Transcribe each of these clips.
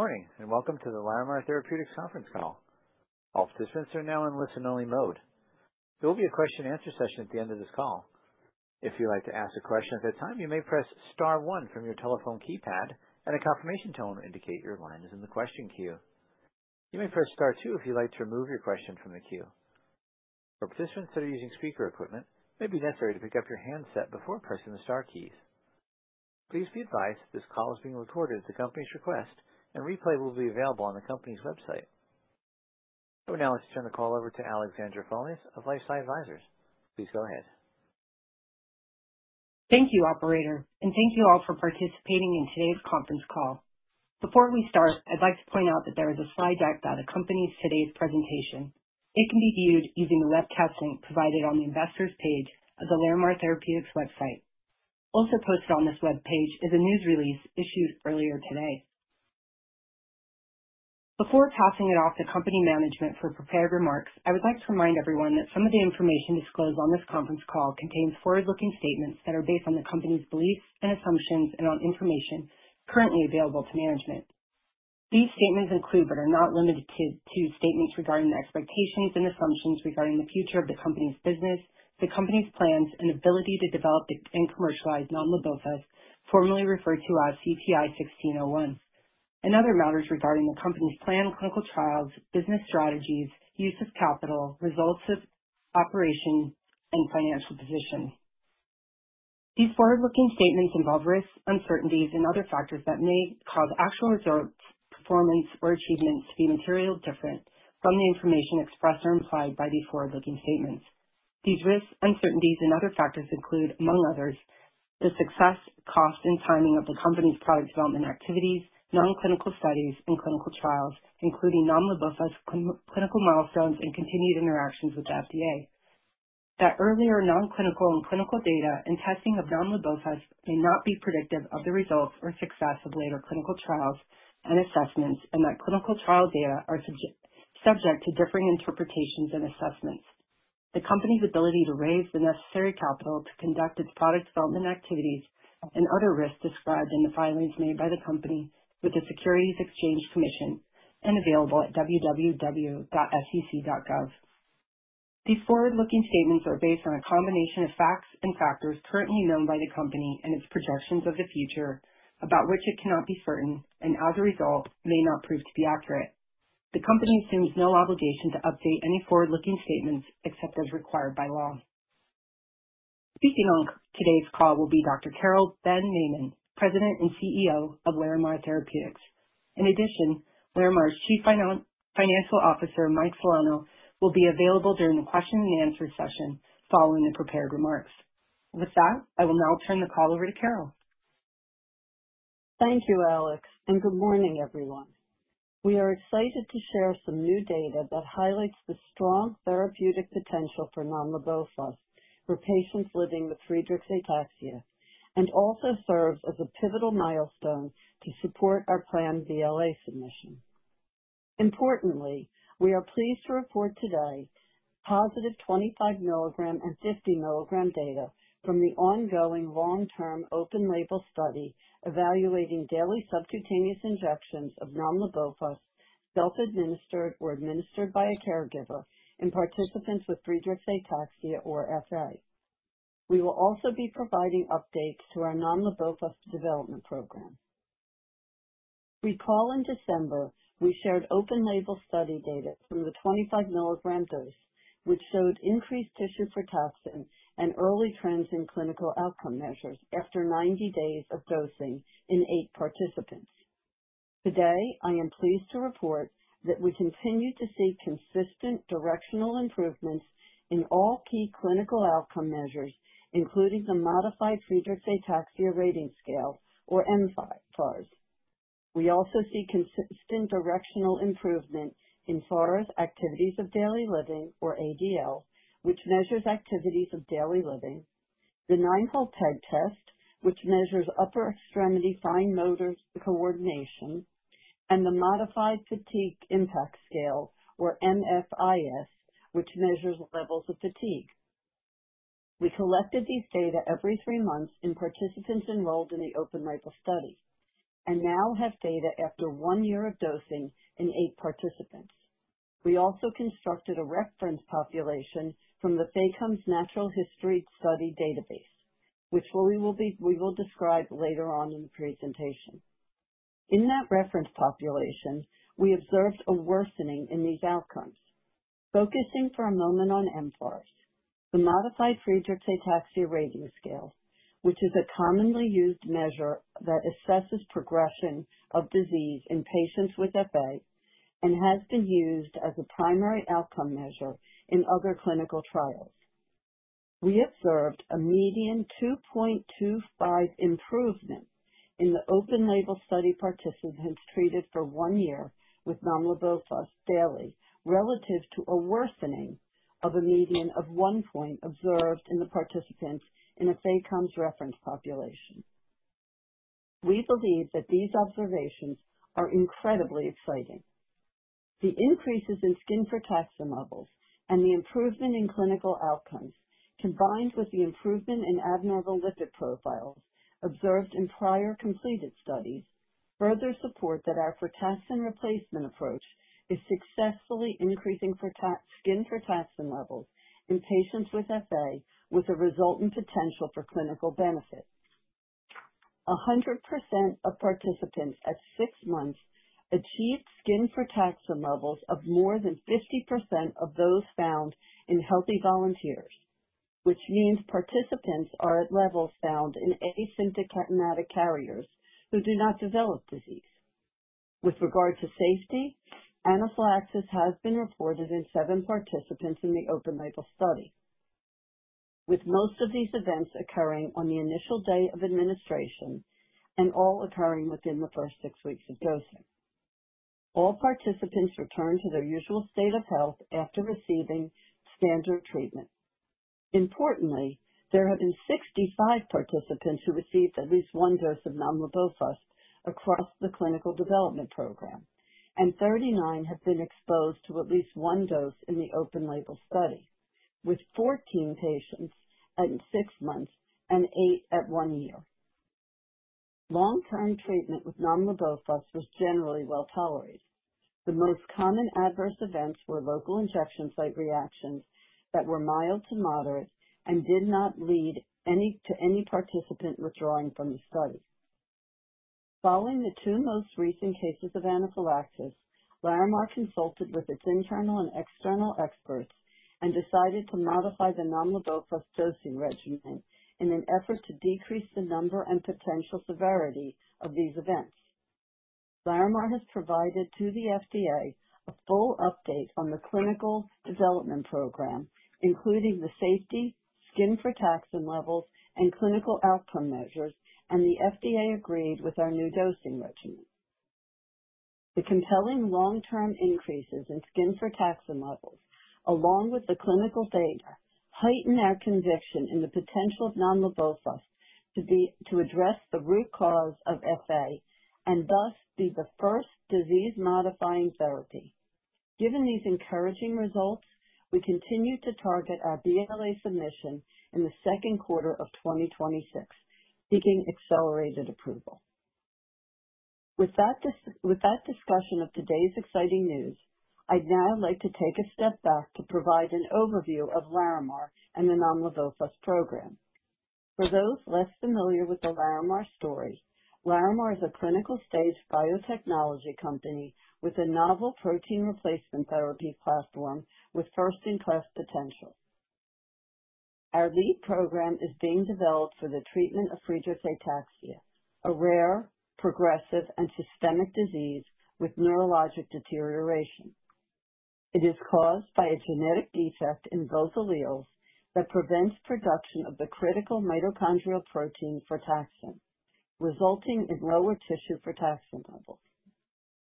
Good morning and welcome to the Larimar Therapeutics conference call. All participants are now in listen-only mode. There will be a question-and-answer session at the end of this call. If you'd like to ask a question at that time, you may press star one from your telephone keypad, and a confirmation tone will indicate your line is in the question queue. You may press star two if you'd like to remove your question from the queue. For participants that are using speaker equipment, it may be necessary to pick up your handset before pressing the star keys. Please be advised this call is being recorded at the company's request, and replay will be available on the company's website. I would now like to turn the call over to Alexandra Folias of LifeSci Advisors. Please go ahead. Thank you, Operator, and thank you all for participating in today's conference call. Before we start, I'd like to point out that there is a slide deck that accompanies today's presentation. It can be viewed using the webcast link provided on the investors' page of the Larimar Therapeutics website. Also posted on this webpage is a news release issued earlier today. Before passing it off to company management for prepared remarks, I would like to remind everyone that some of the information disclosed on this conference call contains forward-looking statements that are based on the company's beliefs and assumptions and on information currently available to management. These statements include, but are not limited to, statements regarding the expectations and assumptions regarding the future of the company's business, the company's plans, and ability to develop and commercialize nomlabofusp, formerly referred to as CTI-1601, and other matters regarding the company's planned clinical trials, business strategies, use of capital, results of operation, and financial position. These forward-looking statements involve risks, uncertainties, and other factors that may cause actual results, performance, or achievements to be materially different from the information expressed or implied by these forward-looking statements. These risks, uncertainties, and other factors include, among others, the success, cost, and timing of the company's product development activities, non-clinical studies, and clinical trials, including nomlabofusp clinical milestones and continued interactions with the FDA. That earlier non-clinical and clinical data and testing of nomlabofusp may not be predictive of the results or success of later clinical trials and assessments, and that clinical trial data are subject to differing interpretations and assessments. The company's ability to raise the necessary capital to conduct its product development activities and other risks described in the filings made by the company with the Securities and Exchange Commission and available at www.sec.gov. These forward-looking statements are based on a combination of facts and factors currently known by the company and its projections of the future, about which it cannot be certain and, as a result, may not prove to be accurate. The company assumes no obligation to update any forward-looking statements except as required by law. Speaking on today's call will be Dr. Carole Ben-Maimon, President and CEO of Larimar Therapeutics. In addition, Larimar's Chief Financial Officer, Mike Solano, will be available during the question-and-answer session following the prepared remarks. With that, I will now turn the call over to Carole. Thank you, Alex, and good morning, everyone. We are excited to share some new data that highlights the strong therapeutic potential for nomlabofusp for patients living with Friedreich's ataxia and also serves as a pivotal milestone to support our planned BLA submission. Importantly, we are pleased to report today +25 mg and +50 mg data from the ongoing long-term open-label study evaluating daily subcutaneous injections of nomlabofusp, self-administered or administered by a caregiver, in participants with Friedreich's ataxia or FA. We will also be providing updates to our nomlabofusp development program. Recall in December, we shared open-label study data from the 25 mg dose, which showed increased frataxin and early trends in clinical outcome measures after 90 days of dosing in eight participants. Today, I am pleased to report that we continue to see consistent directional improvements in all key clinical outcome measures, including the Modified Friedreich's Ataxia Rating Scale, or mFARS. We also see consistent directional improvement in FARS, Activities of Daily Living, or ADL, which measures activities of daily living, the Nine-Hole Peg Test, which measures upper extremity fine motor coordination, and the Modified Fatigue Impact Scale, or MFIS, which measures levels of fatigue. We collected these data every three months in participants enrolled in the open-label study and now have data after one year of dosing in eight participants. We also constructed a reference population from the FACOMS Natural History Study database, which we will describe later on in the presentation. In that reference population, we observed a worsening in these outcomes. Focusing for a moment on mFARS, the Modified Friedreich's Ataxia Rating Scale, which is a commonly used measure that assesses progression of disease in patients with FA and has been used as a primary outcome measure in other clinical trials. We observed a median 2.25 improvement in the open-label study participants treated for one year with nomlabofusp daily relative to a worsening of a median of one point observed in the participants in the FACOMS reference population. We believe that these observations are incredibly exciting. The increases in frataxin levels and the improvement in clinical outcomes, combined with the improvement in abnormal lipid profiles observed in prior completed studies, further support that our frataxin replacement approach is successfully increasing frataxin levels in patients with FA with a resultant potential for clinical benefit. 100% of participants at six months achieved frataxin levels of more than 50% of those found in healthy volunteers, which means participants are at levels found in asymptomatic carriers who do not develop disease. With regard to safety, anaphylaxis has been reported in seven participants in the open-label study, with most of these events occurring on the initial day of administration and all occurring within the first six weeks of dosing. All participants returned to their usual state of health after receiving standard treatment. Importantly, there have been 65 participants who received at least one dose of nomlabofusp across the clinical development program, and 39 have been exposed to at least one dose in the open-label study, with 14 patients at six months and eight at one year. Long-term treatment with nomlabofusp was generally well tolerated. The most common adverse events were local injection site reactions that were mild to moderate and did not lead to any participant withdrawing from the study. Following the two most recent cases of anaphylaxis, Larimar consulted with its internal and external experts and decided to modify the nomlabofusp dosing regimen in an effort to decrease the number and potential severity of these events. Larimar has provided to the FDA a full update on the clinical development program, including the safety, frataxin levels, and clinical outcome measures, and the FDA agreed with our new dosing regimen. The compelling long-term increases in frataxin levels, along with the clinical data, heighten our conviction in the potential of nomlabofusp to address the root cause of FA and thus be the first disease-modifying therapy. Given these encouraging results, we continue to target our BLA submission in the second quarter of 2026, seeking accelerated approval. With that discussion of today's exciting news, I'd now like to take a step back to provide an overview of Larimar and the nomlabofusp program. For those less familiar with the Larimar story, Larimar is a clinical-stage biotechnology company with a novel protein replacement therapy platform with first-in-class potential. Our lead program is being developed for the treatment of Friedreich's ataxia, a rare, progressive, and systemic disease with neurologic deterioration. It is caused by a genetic defect in both alleles that prevents production of the critical mitochondrial protein frataxin, resulting in lower tissue frataxin levels.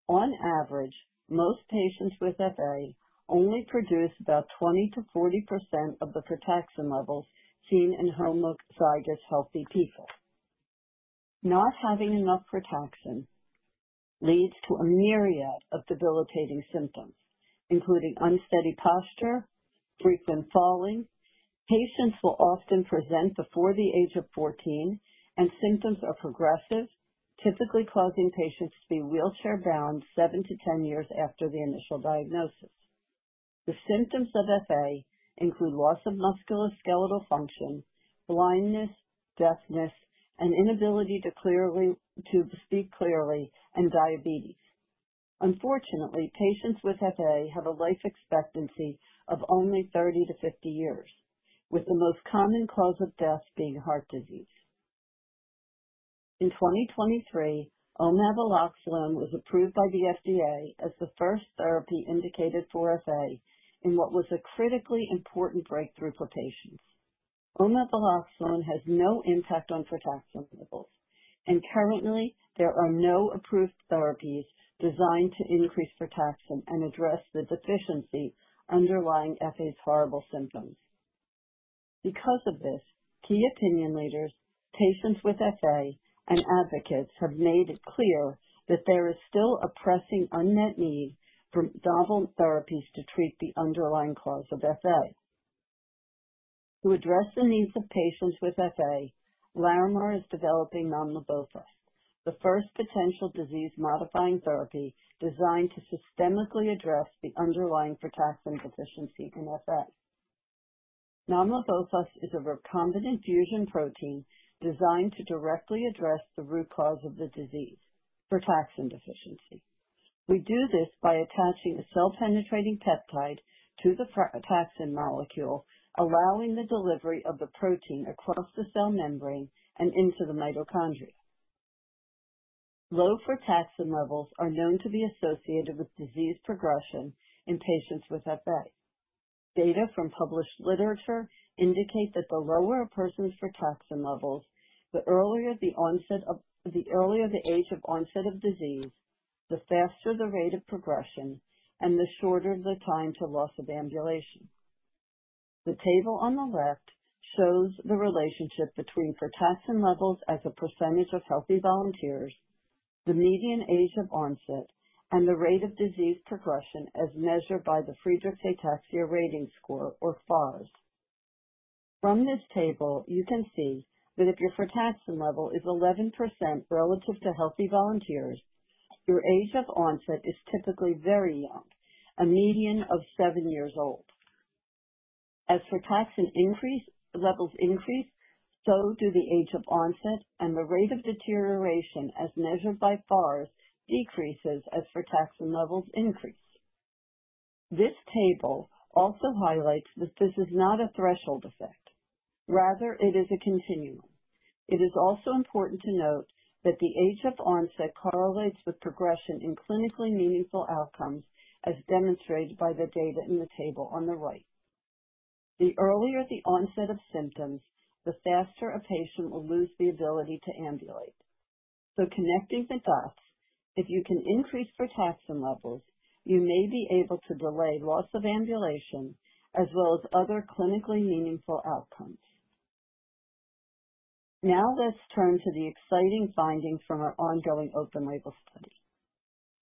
On average, most patients with FA only produce about 20%-40% of the frataxin levels seen in homozygous healthy people. Not having enough frataxin leads to a myriad of debilitating symptoms, including unsteady posture, frequent falling. Patients will often present before the age of 14, and symptoms are progressive, typically causing patients to be wheelchair-bound 7 years-10 years after the initial diagnosis. The symptoms of FA include loss of musculoskeletal function, blindness, deafness, an inability to speak clearly, and diabetes. Unfortunately, patients with FA have a life expectancy of only 30 years-50 years, with the most common cause of death being heart disease. In 2023, omaveloxolone was approved by the FDA as the first therapy indicated for FA in what was a critically important breakthrough for patients. Omaveloxolone has no impact on frataxin levels, and currently, there are no approved therapies designed to increase frataxin and address the deficiency underlying FA's horrible symptoms. Because of this, key opinion leaders, patients with FA, and advocates have made it clear that there is still a pressing unmet need for novel therapies to treat the underlying cause of FA. To address the needs of patients with FA, Larimar is developing nomlabofusp, the first potential disease-modifying therapy designed to systemically address the underlying frataxin deficiency in FA. Nomlabofusp is a recombinant fusion protein designed to directly address the root cause of the disease, frataxin deficiency. We do this by attaching a cell-penetrating peptide to the frataxin molecule, allowing the delivery of the protein across the cell membrane and into the mitochondria. Low frataxin levels are known to be associated with disease progression in patients with FA. Data from published literature indicate that the lower a person's frataxin levels, the earlier the age of onset of disease, the faster the rate of progression, and the shorter the time to loss of ambulation. The table on the left shows the relationship between frataxin levels as a percentage of healthy volunteers, the median age of onset, and the rate of disease progression as measured by the Friedreich's ataxia rating score, or FARS. From this table, you can see that if your frataxin level is 11% relative to healthy volunteers, your age of onset is typically very young, a median of seven years old. As frataxin levels increase, so do the age of onset, and the rate of deterioration as measured by FARS decreases as frataxin levels increase. This table also highlights that this is not a threshold effect. Rather, it is a continuum. It is also important to note that the age of onset correlates with progression in clinically meaningful outcomes, as demonstrated by the data in the table on the right. The earlier the onset of symptoms, the faster a patient will lose the ability to ambulate. So connecting the dots, if you can increase frataxin levels, you may be able to delay loss of ambulation as well as other clinically meaningful outcomes. Now let's turn to the exciting findings from our ongoing open-label study.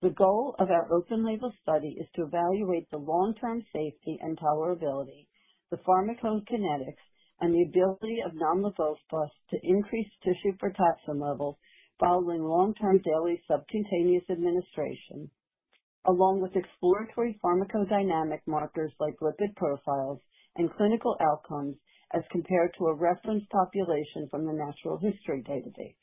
The goal of our open-label study is to evaluate the long-term safety and tolerability, the pharmacokinetics, and the ability of nomlabofusp to increase tissue frataxin levels following long-term daily subcutaneous administration, along with exploratory pharmacodynamic markers like lipid profiles and clinical outcomes as compared to a reference population from the Natural History Database.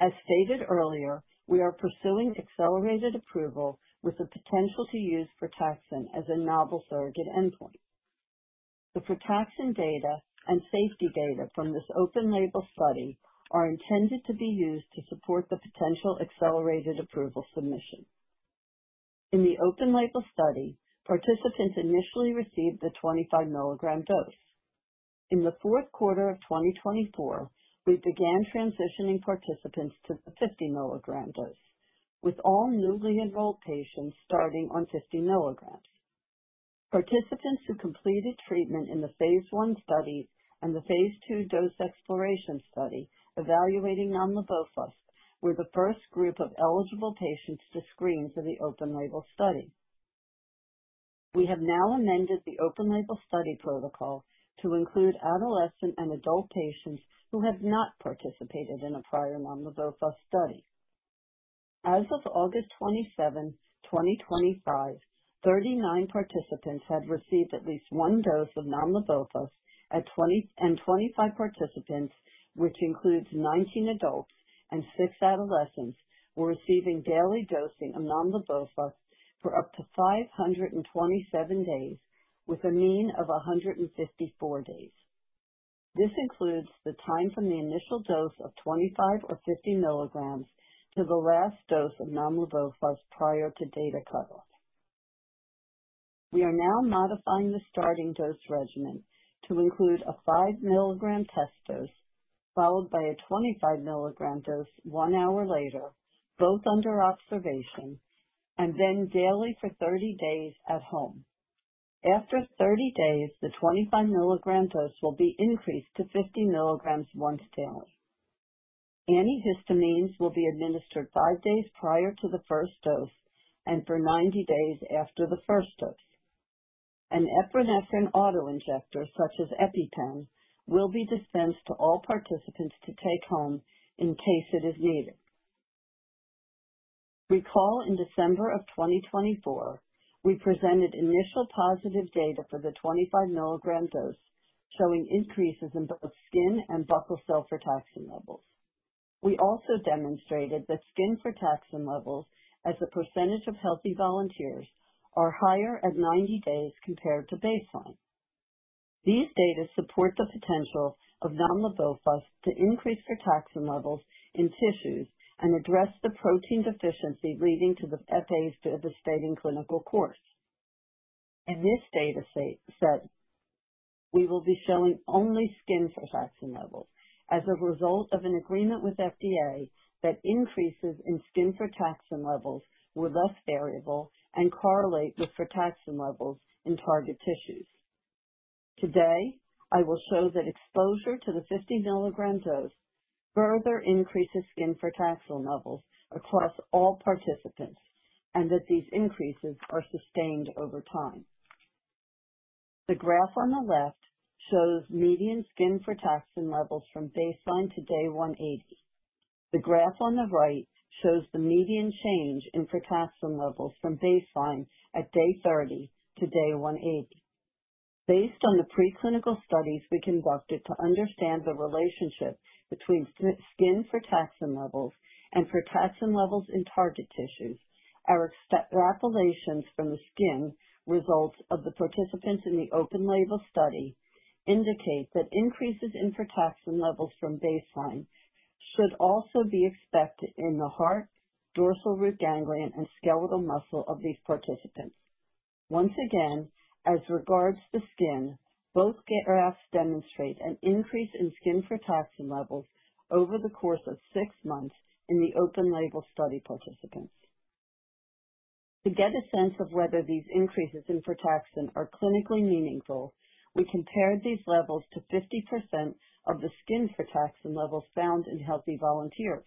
As stated earlier, we are pursuing accelerated approval with the potential to use frataxin as a novel surrogate endpoint. The frataxin data and safety data from this open-label study are intended to be used to support the potential accelerated approval submission. In the open-label study, participants initially received the 25 mg dose. In the fourth quarter of 2024, we began transitioning participants to the 50 mg dose, with all newly enrolled patients starting on 50 mg. Participants who completed treatment in the Phase I study and the Phase II dose exploration study evaluating nomlabofusp were the first group of eligible patients to screen for the open-label study. We have now amended the open-label study protocol to include adolescent and adult patients who have not participated in a prior nomlabofusp study. As of August 27, 2025, 39 participants had received at least one dose of nomlabofusp, and 25 participants, which includes 19 adults and six adolescents, were receiving daily dosing of nomlabofusp for up to 527 days with a mean of 154 days. This includes the time from the initial dose of 25 or 50 mg to the last dose of nomlabofusp prior to data cutoff. We are now modifying the starting dose regimen to include a five- mg test dose followed by a 25 mg dose one hour later, both under observation, and then daily for 30 days at home. After 30 days, the 25 mg dose will be increased to 50 mg once daily. Antihistamines will be administered five days prior to the first dose and for 90 days after the first dose. An epinephrine autoinjector such as EpiPen will be dispensed to all participants to take home in case it is needed. Recall in December of 2024, we presented initial positive data for the 25 mg dose showing increases in both skin and buccal cell frataxin levels. We also demonstrated that skin frataxin levels as a percentage of healthy volunteers are higher at 90 days compared to baseline. These data support the potential of nomlabofusp to increase frataxin levels in tissues and address the protein deficiency leading to the FA's devastating clinical course. In this data set, we will be showing only skin frataxin levels as a result of an agreement with FDA that increases in skin frataxin levels were less variable and correlate with frataxin levels in target tissues. Today, I will show that exposure to the 50 mg dose further increases skin frataxin levels across all participants and that these increases are sustained over time. The graph on the left shows median skin frataxin levels from baseline to day 180. The graph on the right shows the median change in frataxin levels from baseline at day 30-day 180. Based on the preclinical studies we conducted to understand the relationship between skin frataxin levels and frataxin levels in target tissues, our extrapolations from the skin results of the participants in the open-label study indicate that increases in frataxin levels from baseline should also be expected in the heart, dorsal root ganglion, and skeletal muscle of these participants. Once again, as regards the skin, both graphs demonstrate an increase in skin frataxin levels over the course of six months in the open-label study participants. To get a sense of whether these increases in frataxin are clinically meaningful, we compared these levels to 50% of the frataxin levels found in healthy volunteers.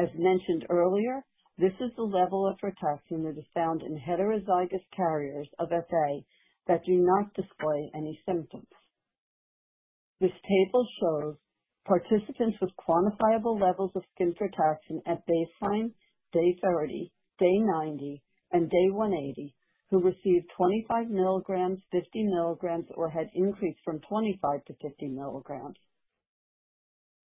As mentioned earlier, this is the level of frataxin that is found in heterozygous carriers of FA that do not display any symptoms. This table shows participants with quantifiable levels of frataxin at baseline, day 30, day 90, and day 180 who received 25 mg, 50 mg, or had increased from 25 mg-50 mg.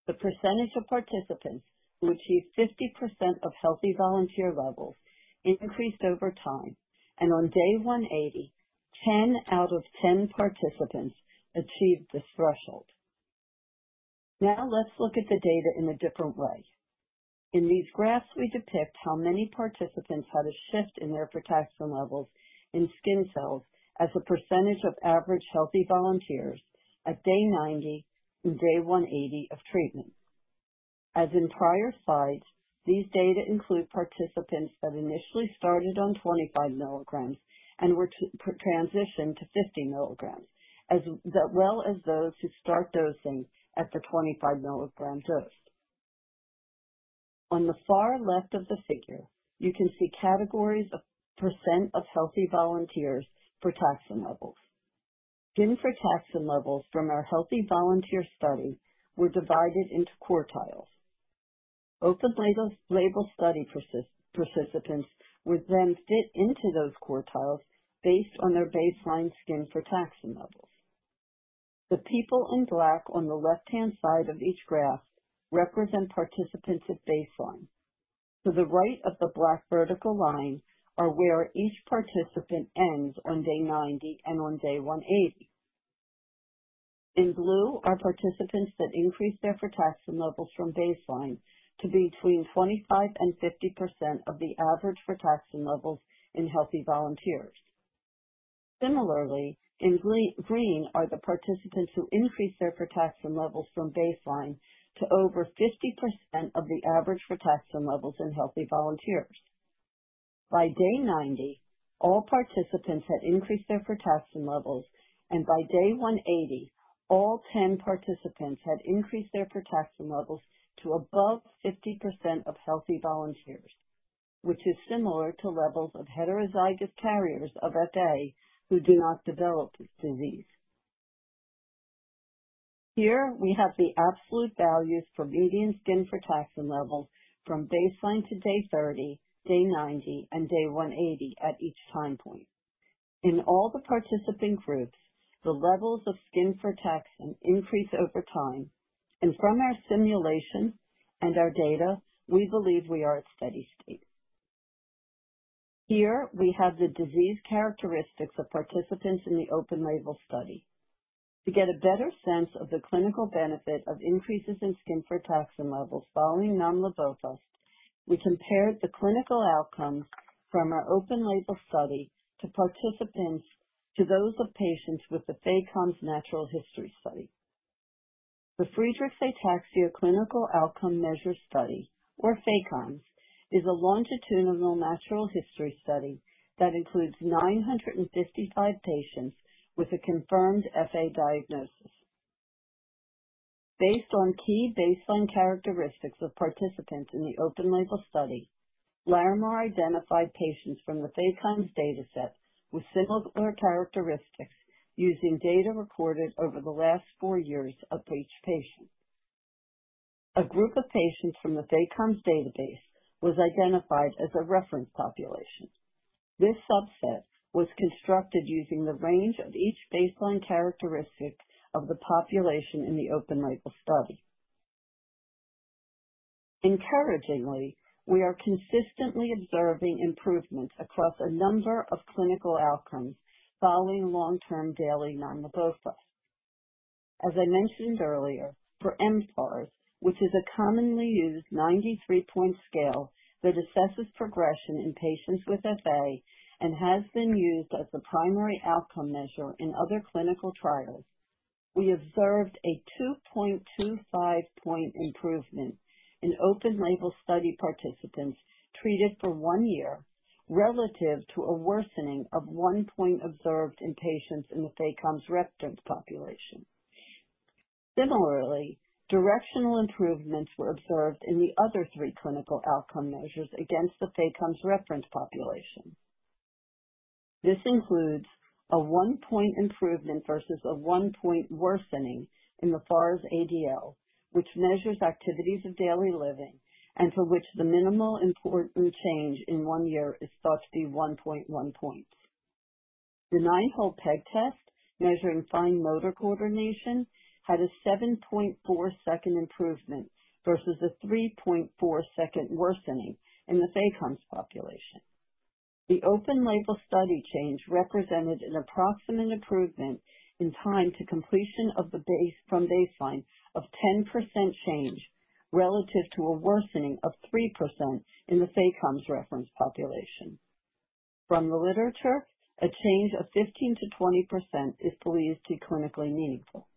The percentage of participants who achieved 50% of healthy volunteer levels increased over time, and on day 180, 10 out of 10 participants achieved this threshold. Now let's look at the data in a different way. In these graphs, we depict how many participants had a shift in their frataxin levels in skin cells as a percentage of average healthy volunteers at day 90 and day 180 of treatment. As in prior slides, these data include participants that initially started on 25 mg and were transitioned to 50 mg, as well as those who start dosing at the 25 mg dose. On the far left of the figure, you can see categories of percent of healthy volunteers for frataxin levels. Skin frataxin levels from our healthy volunteer study were divided into quartiles. Open-label study participants were then fit into those quartiles based on their baseline skin frataxin levels. The people in black on the left-hand side of each graph represent participants at baseline. To the right of the black vertical line are where each participant ends on day 90 and on day 180. In blue are participants that increased their frataxin levels from baseline to between 25% and 50% of the average frataxin levels in healthy volunteers. Similarly, in green are the participants who increased their frataxin levels from baseline to over 50% of the average frataxin levels in healthy volunteers. By day 90, all participants had increased their frataxin levels, and by day 180, all 10 participants had increased their frataxin levels to above 50% of healthy volunteers, which is similar to levels of heterozygous carriers of FA who do not develop this disease. Here we have the absolute values for median skin frataxin levels from baseline to day 30, day 90, and day 180 at each time point. In all the participant groups, the levels of skin frataxin increased over time, and from our simulation and our data, we believe we are at steady state. Here we have the disease characteristics of participants in the open-label study. To get a better sense of the clinical benefit of increases in frataxin levels following nomlabofusp, we compared the clinical outcomes from our open-label study to participants to those of patients with the FACOMS Natural History Study. Friedreich's Ataxia Clinical Outcomes Measures Study, or FACOMS, is a longitudinal natural history study that includes 955 patients with a confirmed FA diagnosis. Based on key baseline characteristics of participants in the open-label study, Larimar identified patients from the FACOMS dataset with similar characteristics using data recorded over the last four years of each patient. A group of patients from the FACOMS database was identified as a reference population. This subset was constructed using the range of each baseline characteristic of the population in the open-label study. Encouragingly, we are consistently observing improvements across a number of clinical outcomes following long-term daily nomlabofusp. As I mentioned earlier, for mFARS, which is a commonly used 93-point scale that assesses progression in patients with FA and has been used as the primary outcome measure in other clinical trials, we observed a 2.25-point improvement in open-label study participants treated for one year relative to a worsening of one point observed in patients in the FACOMS reference population. Similarly, directional improvements were observed in the other three clinical outcome measures against the FACOMS reference population. This includes a one-point improvement versus a one-point worsening in the FARS ADL, which measures activities of daily living and for which the minimal important change in one year is thought to be 1.1 points. The Nine-Hole Peg Test measuring fine motor coordination had a 7.4-second improvement versus a 3.4-second worsening in the FACOMS population. The open-label study change represented an approximate improvement in time to completion from baseline of 10% change relative to a worsening of 3% in the FACOMS reference population. From the literature, a change of 15%-20% is believed to be clinically meaningful.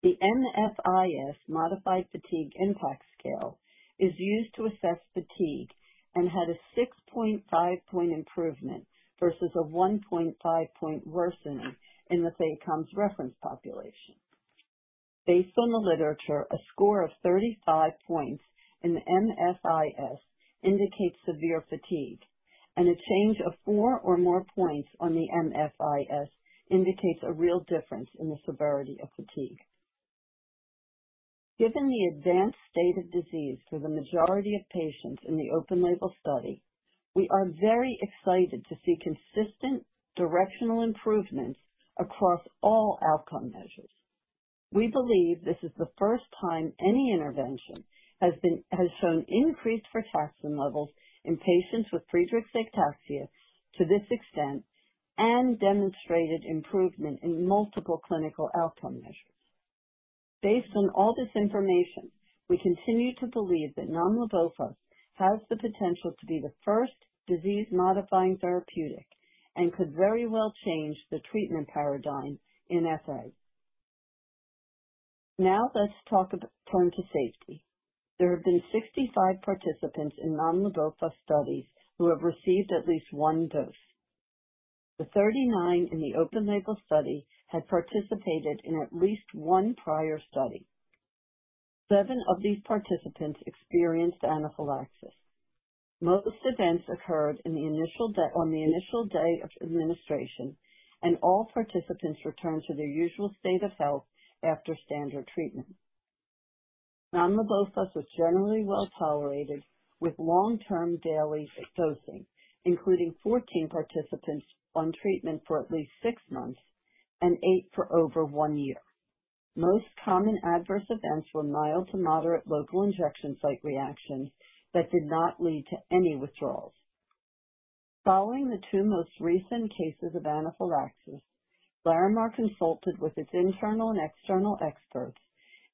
The MFIS Modified Fatigue Impact Scale is used to assess fatigue and had a 6.5-point improvement versus a 1.5-point worsening in the FACOMS reference population. Based on the literature, a score of 35 points in the MFIS indicates severe fatigue, and a change of four or more points on the MFIS indicates a real difference in the severity of fatigue. Given the advanced state of disease for the majority of patients in the open-label study, we are very excited to see consistent directional improvements across all outcome measures. We believe this is the first time any intervention has shown increased frataxin levels in patients with Friedreich's ataxia to this extent and demonstrated improvement in multiple clinical outcome measures. Based on all this information, we continue to believe that nomlabofusp has the potential to be the first disease-modifying therapeutic and could very well change the treatment paradigm in FA. Now let's turn to safety. There have been 65 participants in nomlabofusp studies who have received at least one dose. The 39 in the Open-label study had participated in at least one prior study. Seven of these participants experienced anaphylaxis. Most events occurred on the initial day of administration, and all participants returned to their usual state of health after standard treatment. Nomlabofusp was generally well tolerated with long-term daily dosing, including 14 participants on treatment for at least six months and eight for over one year. Most common adverse events were mild to moderate local injection site reactions that did not lead to any withdrawals. Following the two most recent cases of anaphylaxis, Larimar consulted with its internal and external experts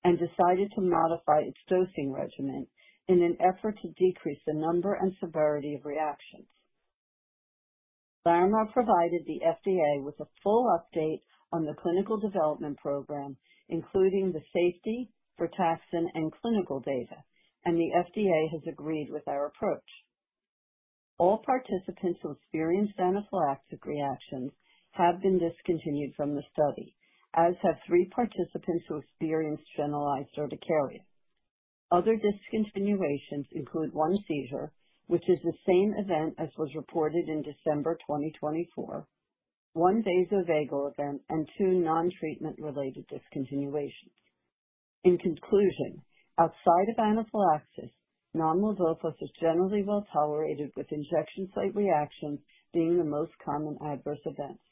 and decided to modify its dosing regimen in an effort to decrease the number and severity of reactions. Larimar provided the FDA with a full update on the clinical development program, including the safety, frataxin, and clinical data, and the FDA has agreed with our approach. All participants who experienced anaphylactic reactions have been discontinued from the study, as have three participants who experienced generalized urticaria. Other discontinuations include one seizure, which is the same event as was reported in December 2024, one vasovagal event, and two non-treatment-related discontinuations. In conclusion, outside of anaphylaxis, nomlabofusp is generally well tolerated, with injection site reactions being the most common adverse events.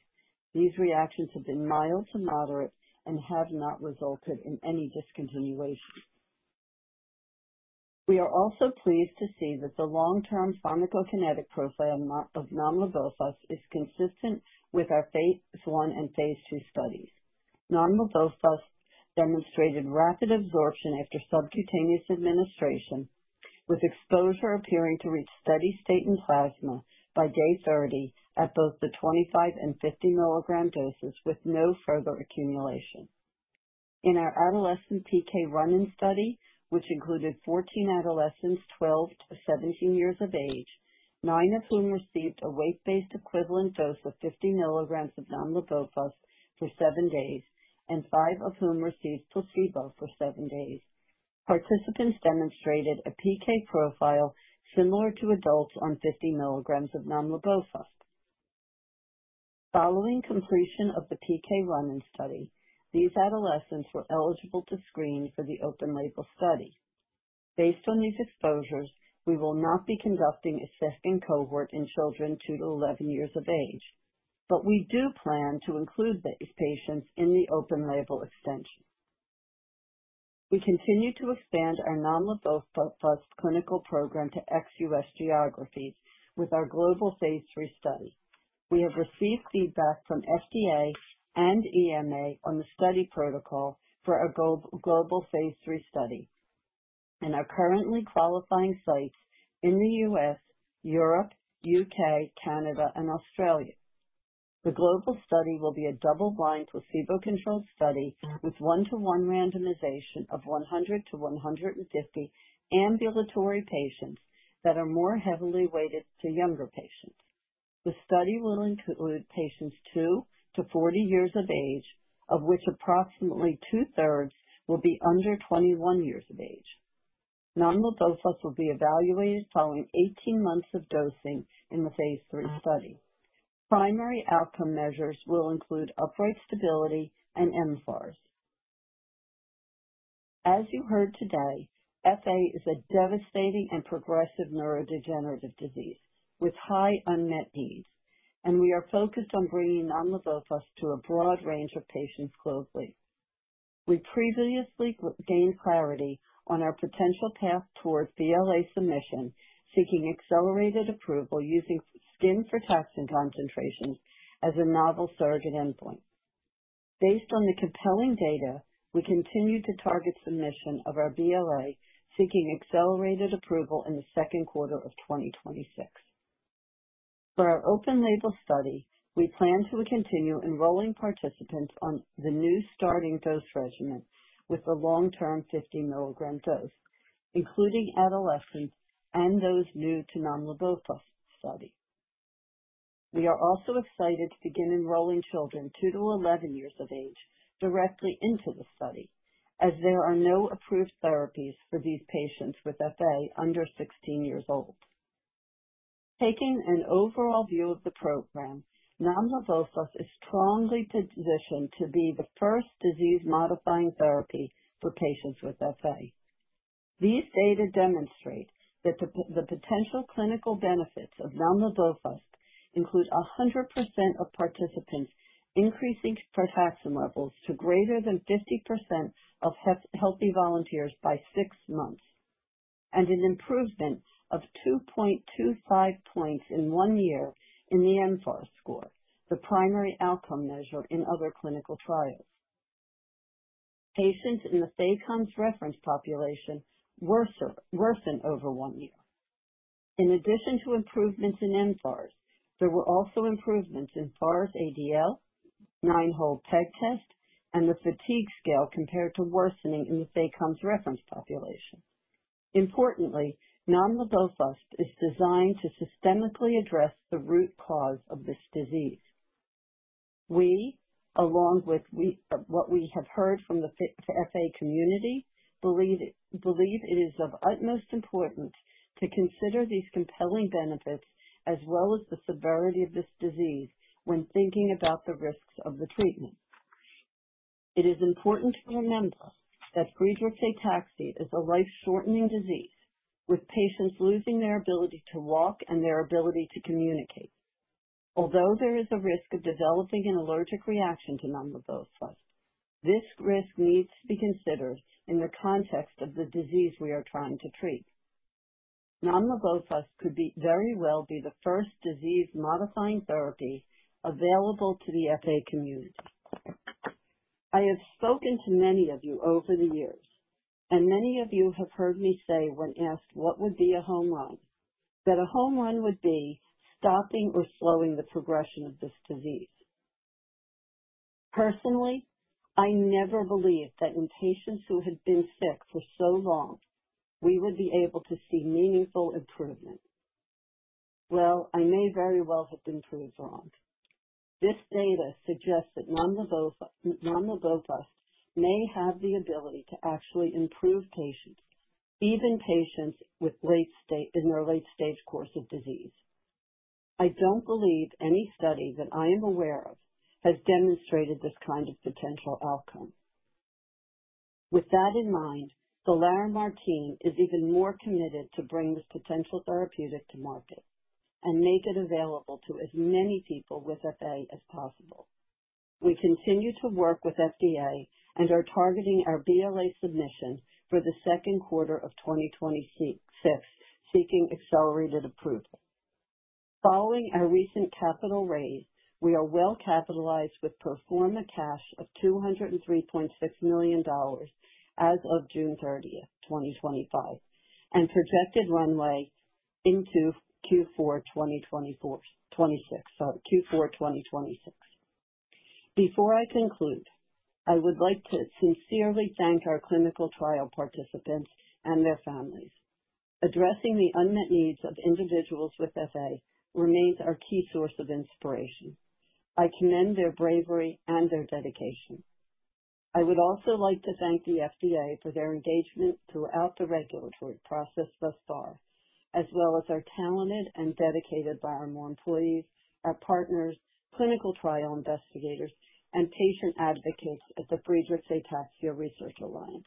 These reactions have been mild to moderate and have not resulted in any discontinuation. We are also pleased to see that the long-term pharmacokinetic profile of nomlabofusp is consistent with our Phase I and Phase II studies. Nomlabofusp demonstrated rapid absorption after subcutaneous administration, with exposure appearing to reach steady state in plasma by day 30 at both the 25 mg and 50 mg doses with no further accumulation. In our adolescent PK run-in study, which included 14 adolescents, 12 years-17 years of age, nine of whom received a weight-based equivalent dose of 50 mg of nomlabofusp for seven days, and five of whom received placebo for seven days, participants demonstrated a PK profile similar to adults on 50 mg of nomlabofusp. Following completion of the PK run-in study, these adolescents were eligible to screen for the open-label study. Based on these exposures, we will not be conducting a second cohort in children two to 11 years of age, but we do plan to include these patients in the open-label extension. We continue to expand our nomlabofusp clinical program to ex-U.S. geographies with our global Phase III study. We have received feedback from FDA and EMA on the study protocol for our global Phase III study and are currently qualifying sites in the U.S., Europe, U.K., Canada, and Australia. The global study will be a double-blind placebo-controlled study with one-to-one randomization of 100-150 ambulatory patients that are more heavily weighted to younger patients. The study will include patients two to 40 years of age, of which approximately two-thirds will be under 21 years of age. Nomlabofusp will be evaluated following 18 months of dosing in the Phase III study. Primary outcome measures will include upright stability and mFARS. As you heard today, FA is a devastating and progressive neurodegenerative disease with high unmet needs, and we are focused on bringing nomlabofusp to a broad range of patients globally. We previously gained clarity on our potential path towards BLA submission, seeking accelerated approval using frataxin concentrations as a novel surrogate endpoint. Based on the compelling data, we continue to target submission of our BLA, seeking accelerated approval in the second quarter of 2026. For our open-label study, we plan to continue enrolling participants on the new starting dose regimen with the long-term 50 mg dose, including adolescents and those new to nomlabofusp study. We are also excited to begin enrolling children 2 years-11 years of age directly into the study, as there are no approved therapies for these patients with FA under 16 years old. Taking an overall view of the program, nomlabofusp is strongly positioned to be the first disease-modifying therapy for patients with FA. These data demonstrate that the potential clinical benefits of nomlabofusp include 100% of participants increasing frataxin levels to greater than 50% of healthy volunteers by six months and an improvement of 2.25 points in one year in the mFARS score, the primary outcome measure in other clinical trials. Patients in the FACOMS reference population worsen over one year. In addition to improvements in mFARS, there were also improvements in FARS-ADL, Nine-Hole Peg Test, and the fatigue scale compared to worsening in the FACOMS reference population. Importantly, nomlabofusp is designed to systemically address the root cause of this disease. We, along with what we have heard from the FA community, believe it is of utmost importance to consider these compelling benefits as well as the severity of this disease when thinking about the risks of the treatment. It is important to remember that Friedreich's ataxia is a life-shortening disease, with patients losing their ability to walk and their ability to communicate. Although there is a risk of developing an allergic reaction to nomlabofusp, this risk needs to be considered in the context of the disease we are trying to treat. Nomlabofusp could very well be the first disease-modifying therapy available to the FA community. I have spoken to many of you over the years, and many of you have heard me say when asked what would be a home run, that a home run would be stopping or slowing the progression of this disease. Personally, I never believed that in patients who had been sick for so long, we would be able to see meaningful improvement. Well, I may very well have been proved wrong. This data suggests that nomlabofusp may have the ability to actually improve patients, even patients in their late-stage course of disease. I don't believe any study that I am aware of has demonstrated this kind of potential outcome. With that in mind, the Larimar team is even more committed to bring this potential therapeutic to market and make it available to as many people with FA as possible. We continue to work with FDA and are targeting our BLA submission for the second quarter of 2026, seeking accelerated approval. Following our recent capital raise, we are well capitalized with a pro forma cash of $203.6 million as of June 30, 2025, and projected runway into Q4 2026. Before I conclude, I would like to sincerely thank our clinical trial participants and their families. Addressing the unmet needs of individuals with FA remains our key source of inspiration. I commend their bravery and their dedication. I would also like to thank the FDA for their engagement throughout the regulatory process thus far, as well as our talented and dedicated Larimar employees, our partners, clinical trial investigators, and patient advocates at the Friedreich's Ataxia Research Alliance,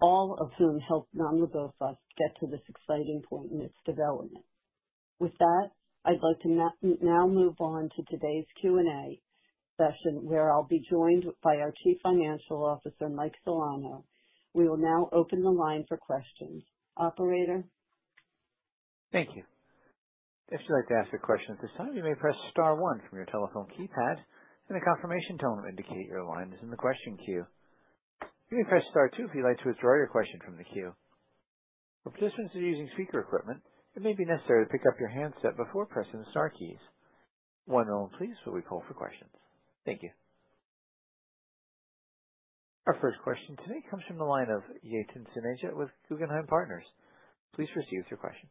all of whom helped nomlabofusp get to this exciting point in its development. With that, I'd like to now move on to today's Q&A session, where I'll be joined by our Chief Financial Officer, Mike Solano. We will now open the line for questions. Operator. Thank you. If you'd like to ask a question at this time, you may press star one from your telephone keypad, and a confirmation tone will indicate your line is in the question queue. You may press star two if you'd like to withdraw your question from the queue. For participants using speaker equipment, it may be necessary to pick up your handset before pressing the star keys. One moment, please, while we call for questions. Thank you. Our first question today comes from the line of Yatin Suneja with Guggenheim Partners. Please proceed with your question.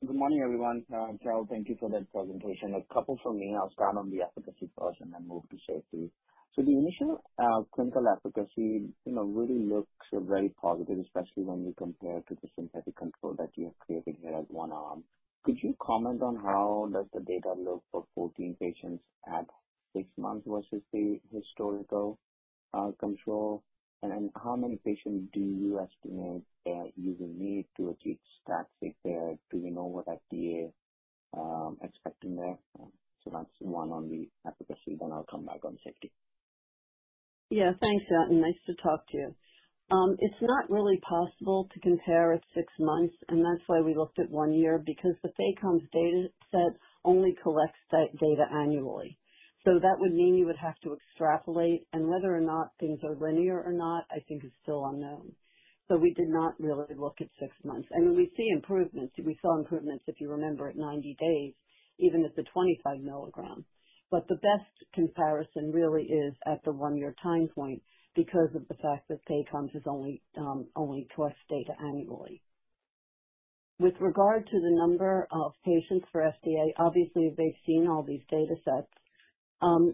Good morning, everyone. Carole Ben-Maimon, thank you for that presentation. A couple from me. I'll start on the efficacy first and then move to safety. So the initial clinical efficacy really looks very positive, especially when you compare it to the synthetic control that you have created here at one arm. Could you comment on how does the data look for 14 patients at six months versus the historical control? And how many patients do you estimate using need to achieve statistical significance? Do we know what FDA is expecting there? So that's one on the efficacy. Then I'll come back on safety. Yeah, thanks, Yatin. Nice to talk to you. It's not really possible to compare at six months, and that's why we looked at one year, because the FACOMS data set only collects data annually. So that would mean you would have to extrapolate, and whether or not things are linear or not, I think, is still unknown. So we did not really look at six months. I mean, we see improvements. We saw improvements, if you remember, at 90 days, even at the 25 mg. But the best comparison really is at the one-year time point because of the fact that FACOMS only collects data annually. With regard to the number of patients for FDA, obviously, they've seen all these data sets.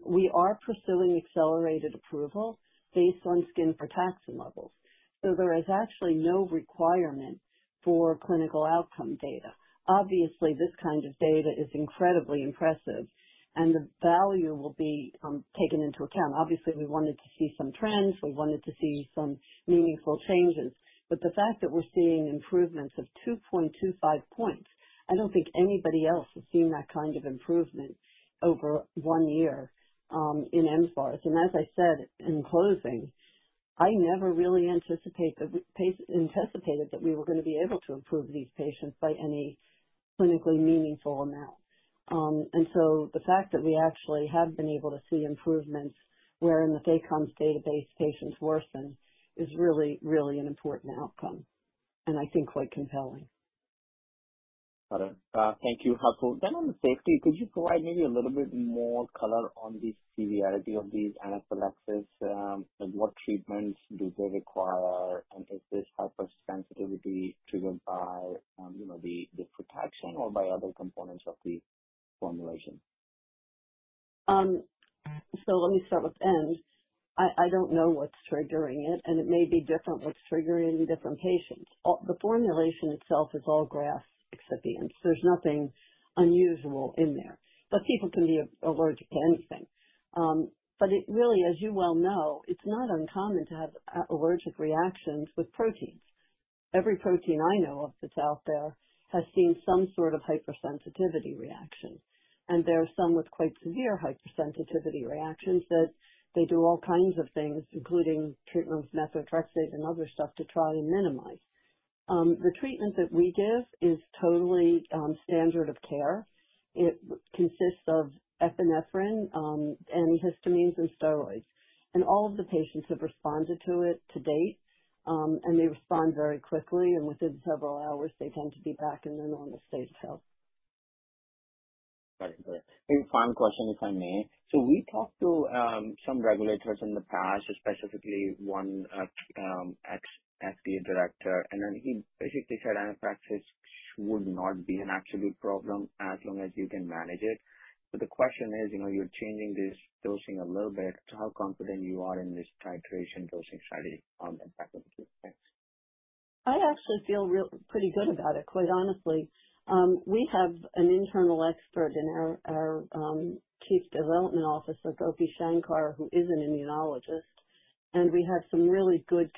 We are pursuing accelerated approval based on frataxin levels. So there is actually no requirement for clinical outcome data. Obviously, this kind of data is incredibly impressive, and the value will be taken into account. Obviously, we wanted to see some trends. We wanted to see some meaningful changes. But the fact that we're seeing improvements of 2.25 points, I don't think anybody else has seen that kind of improvement over one year in mFARS. And as I said in closing, I never really anticipated that we were going to be able to improve these patients by any clinically meaningful amount. The fact that we actually have been able to see improvements where in the FACOMS database patients worsen is really, really an important outcome and I think quite compelling. Got it. Thank you. On the safety, could you provide maybe a little bit more color on the severity of these anaphylaxis? What treatments do they require? And is this hypersensitivity triggered by the frataxin or by other components of the formulation? Let me start with nomlabofusp. I don't know what's triggering it, and it may be different what's triggering different patients. The formulation itself is all GRAS excipients. There's nothing unusual in there. But people can be allergic to anything. But really, as you well know, it's not uncommon to have allergic reactions with proteins. Every protein I know of that's out there has seen some sort of hypersensitivity reaction. There are some with quite severe hypersensitivity reactions that they do all kinds of things, including treatment with methotrexate and other stuff to try and minimize. The treatment that we give is totally standard of care. It consists of epinephrine, antihistamines, and steroids. And all of the patients have responded to it to date, and they respond very quickly. And within several hours, they tend to be back in their normal state of health. Got it. Got it. Maybe final question, if I may. We talked to some regulators in the past, specifically one FDA director, and then he basically said anaphylaxis would not be an absolute problem as long as you can manage it. But the question is, you're changing this dosing a little bit. To how confident you are in this titration dosing strategy on the second two? Thanks. I actually feel pretty good about it, quite honestly. We have an internal expert in our Chief Development Officer, Gopi Shankar, who is an immunologist. And we have some really good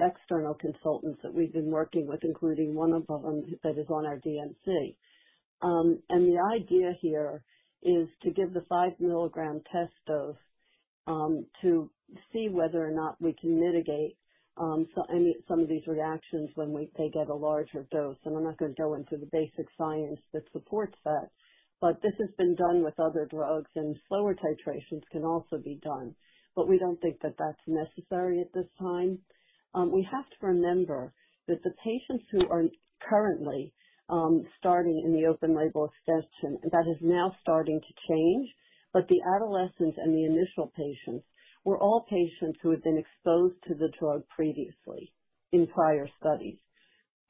external consultants that we've been working with, including one of them that is on our DMC. And the idea here is to give the five-milligram test dose to see whether or not we can mitigate some of these reactions when they get a larger dose. And I'm not going to go into the basic science that supports that, but this has been done with other drugs, and slower titrations can also be done. But we don't think that that's necessary at this time. We have to remember that the patients who are currently starting in the open-label extension, that is now starting to change, but the adolescents and the initial patients were all patients who had been exposed to the drug previously in prior studies.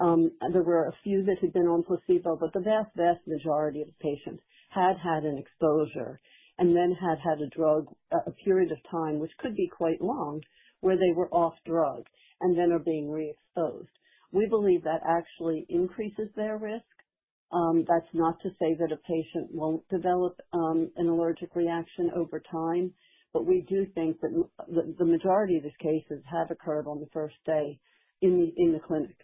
There were a few that had been on placebo, but the vast, vast majority of the patients had had an exposure and then had had a drug, a period of time, which could be quite long, where they were off drug and then are being re-exposed. We believe that actually increases their risk. That's not to say that a patient won't develop an allergic reaction over time, but we do think that the majority of these cases have occurred on the first day in the clinic.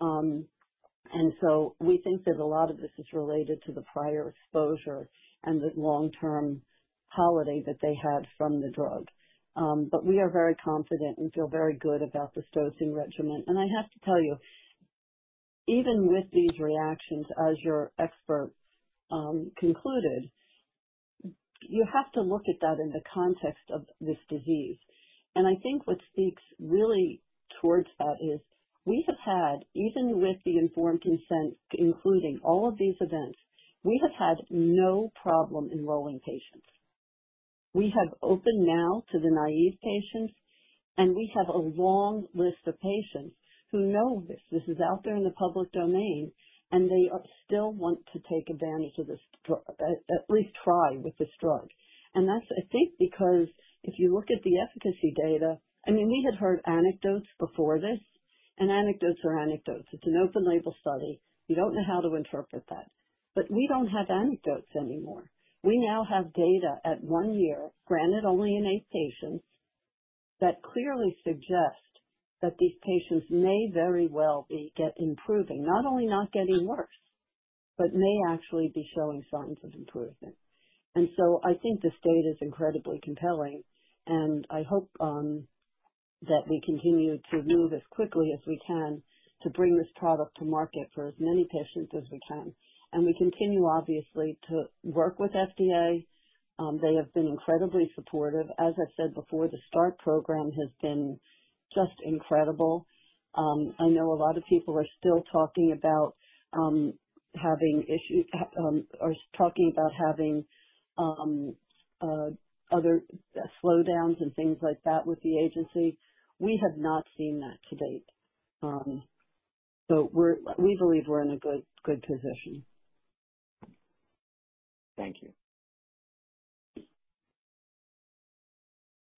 And so we think that a lot of this is related to the prior exposure and the long-term holiday that they had from the drug. But we are very confident and feel very good about this dosing regimen. And I have to tell you, even with these reactions, as your expert concluded, you have to look at that in the context of this disease. And I think what speaks really towards that is we have had, even with the informed consent, including all of these events, we have had no problem enrolling patients. We have opened now to the naive patients, and we have a long list of patients who know this. This is out there in the public domain, and they still want to take advantage of this, at least try with this drug. And that's, I think, because if you look at the efficacy data, I mean, we had heard anecdotes before this, and anecdotes are anecdotes. It's an open-label study. You don't know how to interpret that. But we don't have anecdotes anymore. We now have data at one year, granted only in eight patients, that clearly suggests that these patients may very well be improving, not only not getting worse, but may actually be showing signs of improvement. And so I think this data is incredibly compelling, and I hope that we continue to move as quickly as we can to bring this product to market for as many patients as we can. And we continue, obviously, to work with FDA. They have been incredibly supportive. As I've said before, the START program has been just incredible. I know a lot of people are still talking about having issues or talking about having other slowdowns and things like that with the agency. We have not seen that to date. So we believe we're in a good position. Thank you.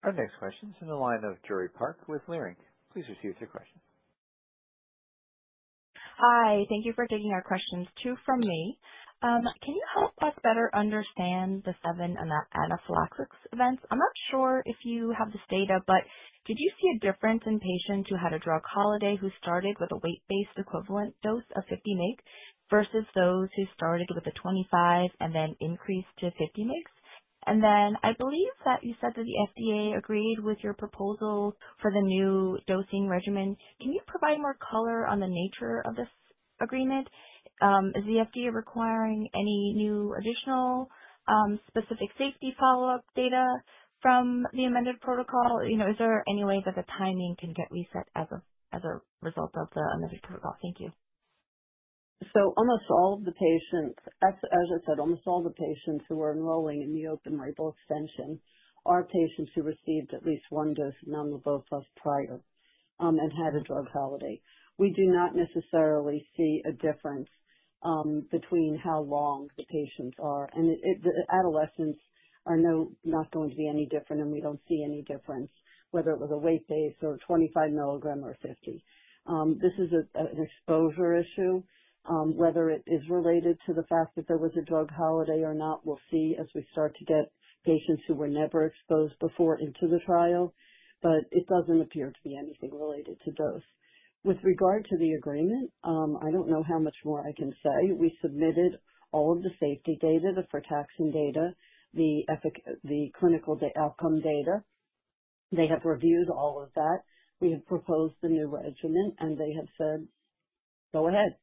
Our next question is in the line of Joori Park with Leerink. Please proceed with your question. Hi. Thank you for taking our questions. Two from me. Can you help us better understand the seven anaphylaxis events? I'm not sure if you have this data, but did you see a difference in patients who had a drug holiday who started with a weight-based equivalent dose of 50 mg versus those who started with a 25 mg and then increased to 50 mg? And then I believe that you said that the FDA agreed with your proposal for the new dosing regimen. Can you provide more color on the nature of this agreement? Is the FDA requiring any new additional specific safety follow-up data from the amended protocol? Is there any way that the timing can get reset as a result of the amended protocol? Thank you. So almost all of the patients, as I said, almost all the patients who are enrolling in the open-label extension are patients who received at least one dose of nomlabofusp prior and had a drug holiday. We do not necessarily see a difference between how long the patients are. And the adolescents are not going to be any different, and we don't see any difference whether it was a weight-based or 25 mg or 50 mg. This is an exposure issue. Whether it is related to the fact that there was a drug holiday or not, we'll see as we start to get patients who were never exposed before into the trial, but it doesn't appear to be anything related to dose. With regard to the agreement, I don't know how much more I can say. We submitted all of the safety data, the frataxin data, the clinical outcome data. They have reviewed all of that. We have proposed the new regimen, and they have said, "Go ahead.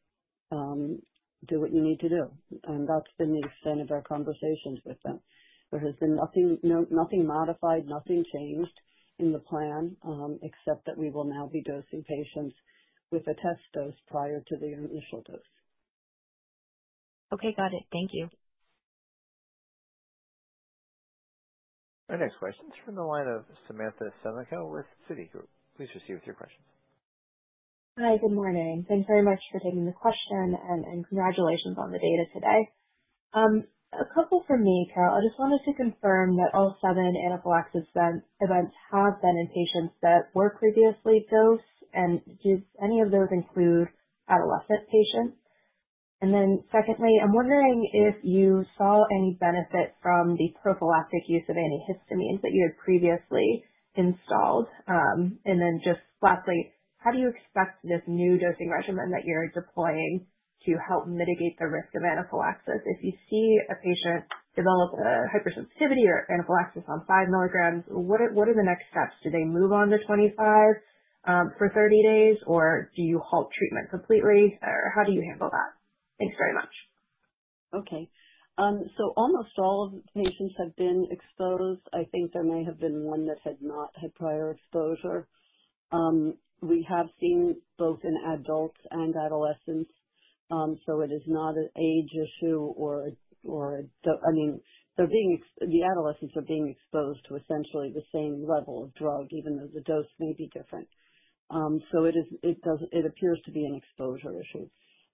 Do what you need to do." And that's been the extent of our conversations with them. There has been nothing modified, nothing changed in the plan, except that we will now be dosing patients with a test dose prior to their initial dose. Okay. Got it. Thank you. Our next question is from the line of Samantha Semenkow with Citi. Please proceed with your questions. Hi. Good morning. Thanks very much for taking the question, and congratulations on the data today. A couple from me, Carole. I just wanted to confirm that all seven anaphylaxis events have been in patients that were previously dosed. And do any of those include adolescent patients? And then secondly, I'm wondering if you saw any benefit from the prophylactic use of antihistamines that you had previously installed. And then just lastly, how do you expect this new dosing regimen that you're deploying to help mitigate the risk of anaphylaxis? If you see a patient develop a hypersensitivity or anaphylaxis on five mg, what are the next steps? Do they move on to 25 mg for 30 days, or do you halt treatment completely? Or how do you handle that? Thanks very much. Okay. So almost all of the patients have been exposed. I think there may have been one that had not had prior exposure. We have seen both in adults and adolescents, so it is not an age issue or a—I mean, the adolescents are being exposed to essentially the same level of drug, even though the dose may be different, so it appears to be an exposure issue.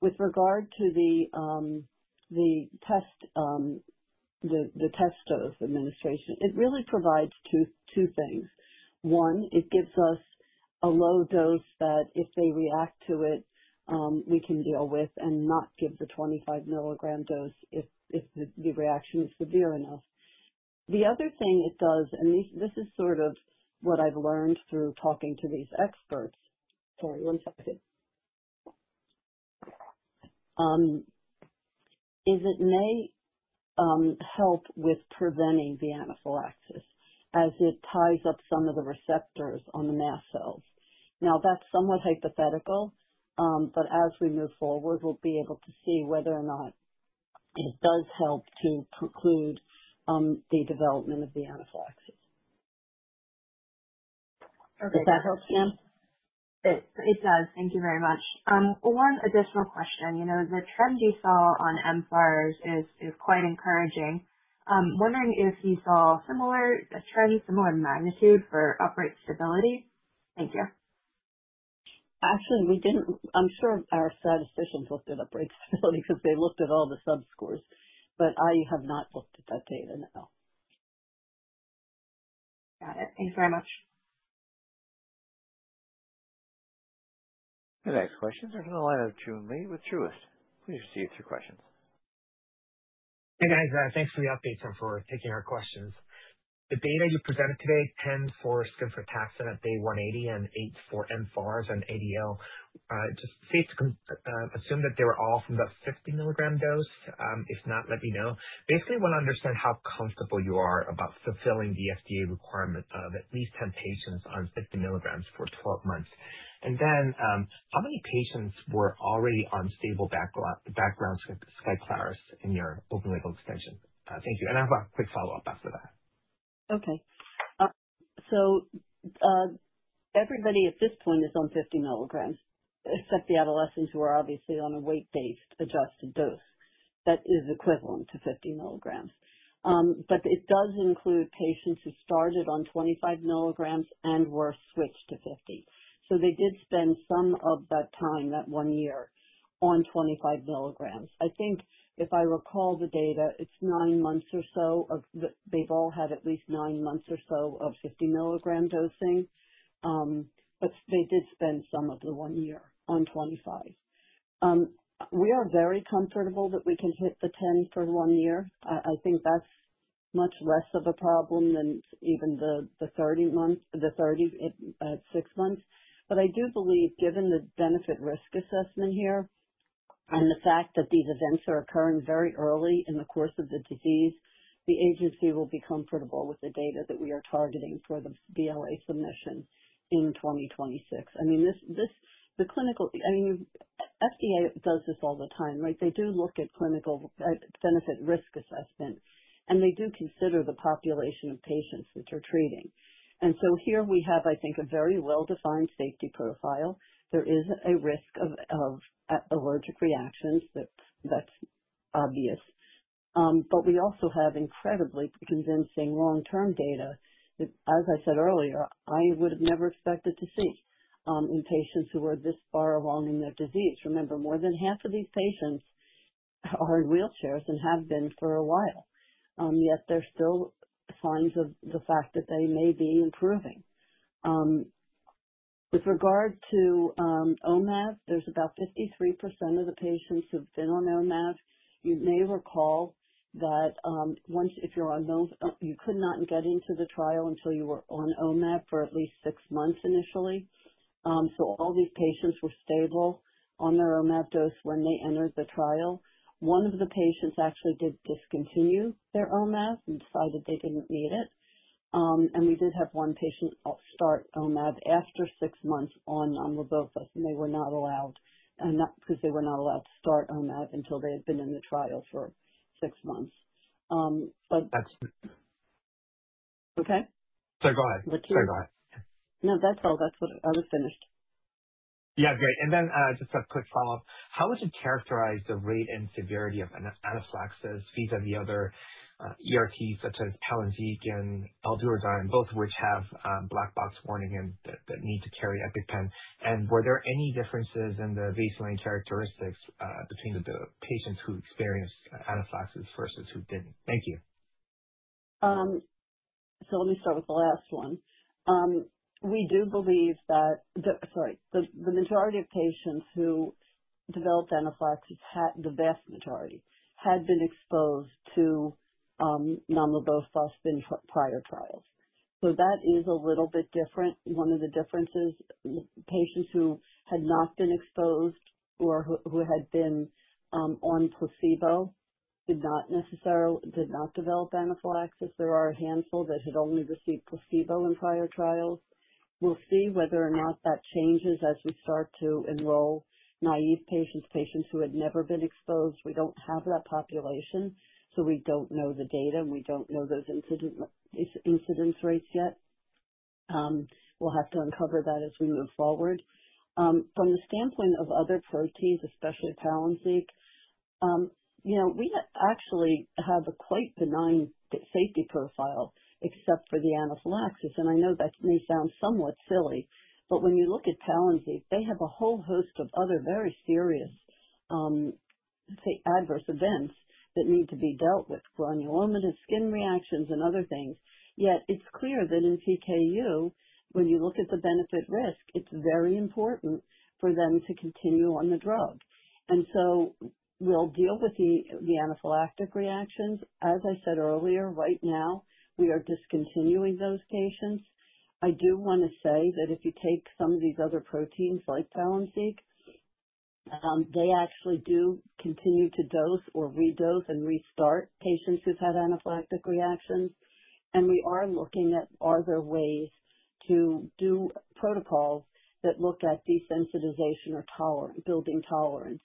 With regard to the test dose administration, it really provides two things. One, it gives us a low dose that if they react to it, we can deal with and not give the 25 mg dose if the reaction is severe enough. The other thing it does, and this is sort of what I've learned through talking to these experts, sorry, one second, is it may help with preventing the anaphylaxis as it ties up some of the receptors on the mast cells. Now, that's somewhat hypothetical, but as we move forward, we'll be able to see whether or not it does help to preclude the development of the anaphylaxis. Does that help, Sam? It does. Thank you very much. One additional question. The trend you saw on mFARS is quite encouraging. I'm wondering if you saw a similar trend, similar magnitude for upright stability? Thank you. Actually, I'm sure our statisticians looked at upright stability because they looked at all the subscores, but I have not looked at that data now. Got it. Thanks very much. The next question is from the line of Joon Lee with Truist. Please proceed with your questions. Hey, guys. Thanks for the updates and for taking our questions. The data you presented today, 10 for skin frataxin at day 180 and 8 for mFARS and ADL. it safe to assume that they were all from the 50 mg dose. If not, let me know. Basically, we want to understand how comfortable you are about fulfilling the FDA requirement of at least 10 patients on 50 mg for 12 months. And then how many patients were already on stable background Skyclarys in your open-label extension? Thank you. And I have a quick follow-up after that. Okay. So everybody at this point is on 50 mg, except the adolescents who are obviously on a weight-based adjusted dose that is equivalent to 50 mg. But it does include patients who started on 25 mg and were switched to 50 mg. So they did spend some of that time, that one year, on 25 mg. I think if I recall the data, it's nine months or so. They've all had at least nine months or so of 50 mg dosing. But they did spend some of the one year on 25 mg. We are very comfortable that we can hit the 10 for one year. I think that's much less of a problem than even the 30 at six months. But I do believe, given the benefit-risk assessment here and the fact that these events are occurring very early in the course of the disease, the agency will be comfortable with the data that we are targeting for the BLA submission in 2026. I mean, the clinical, I mean, FDA does this all the time, right? They do look at clinical benefit-risk assessment, and they do consider the population of patients that they're treating. And so here we have, I think, a very well-defined safety profile. There is a risk of allergic reactions. That's obvious. But we also have incredibly convincing long-term data that, as I said earlier, I would have never expected to see in patients who are this far along in their disease. Remember, more than half of these patients are in wheelchairs and have been for a while, yet there's still signs of the fact that they may be improving. With regard to Omav, there's about 53% of the patients who've been on Omav. You may recall that you could not get into the trial until you were on Omav for at least six months initially. So all these patients were stable on their Omav dose when they entered the trial. One of the patients actually did discontinue their Omav and decided they didn't need it. And we did have one patient start Omav after six months on nomlabofusp, and they were not allowed because they were not allowed to start Omav until they had been in the trial for six months. But that's okay. Sorry, go ahead. No, that's all. I was finished. Yeah, great. And then just a quick follow-up. How would you characterize the rate and severity of anaphylaxis vis-à-vis other ERTs such as Palynziq and Aldurazyme, both of which have black box warning and that need to carry EpiPen? And were there any differences in the baseline characteristics between the patients who experienced anaphylaxis versus who didn't? Thank you. So let me start with the last one. We do believe that, sorry, the majority of patients who developed anaphylaxis, the vast majority, had been exposed to nomlabofusp in prior trials. So that is a little bit different. One of the differences, patients who had not been exposed or who had been on placebo did not necessarily develop anaphylaxis. There are a handful that had only received placebo in prior trials. We'll see whether or not that changes as we start to enroll naive patients, patients who had never been exposed. We don't have that population, so we don't know the data, and we don't know those incidence rates yet. We'll have to uncover that as we move forward. From the standpoint of other proteins, especially Palynziq, we actually have a quite benign safety profile except for the anaphylaxis. And I know that may sound somewhat silly, but when you look at Palynziq, they have a whole host of other very serious, I'd say, adverse events that need to be dealt with: granulomatous skin reactions and other things. Yet it's clear that in PKU, when you look at the benefit-risk, it's very important for them to continue on the drug. And so we'll deal with the anaphylactic reactions. As I said earlier, right now, we are discontinuing those patients. I do want to say that if you take some of these other proteins like Palynziq, they actually do continue to dose or redose and restart patients who've had anaphylactic reactions. And we are looking at other ways to do protocols that look at desensitization or building tolerance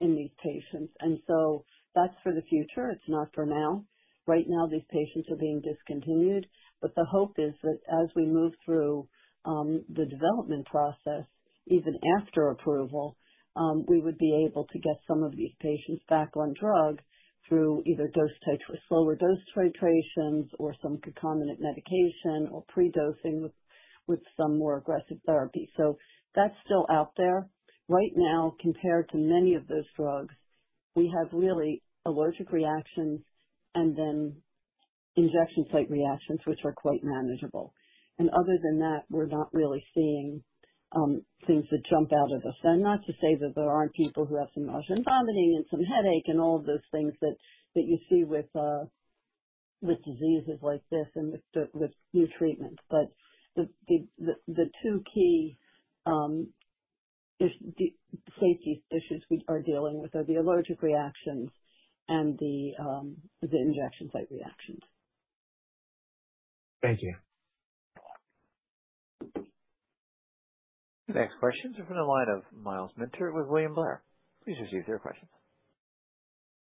in these patients. And so that's for the future. It's not for now. Right now, these patients are being discontinued. But the hope is that as we move through the development process, even after approval, we would be able to get some of these patients back on drug through either slower dose titrations or some concomitant medication or predosing with some more aggressive therapy. So that's still out there. Right now, compared to many of those drugs, we have really allergic reactions and then injection site reactions, which are quite manageable. And other than that, we're not really seeing things that jump out at us. And not to say that there aren't people who have some nausea and vomiting and some headache and all of those things that you see with diseases like this and with new treatments. But the two key safety issues we are dealing with are the allergic reactions and the injection site reactions. Thank you. The next question is from the line of Myles Minter with William Blair. Please proceed with your questions.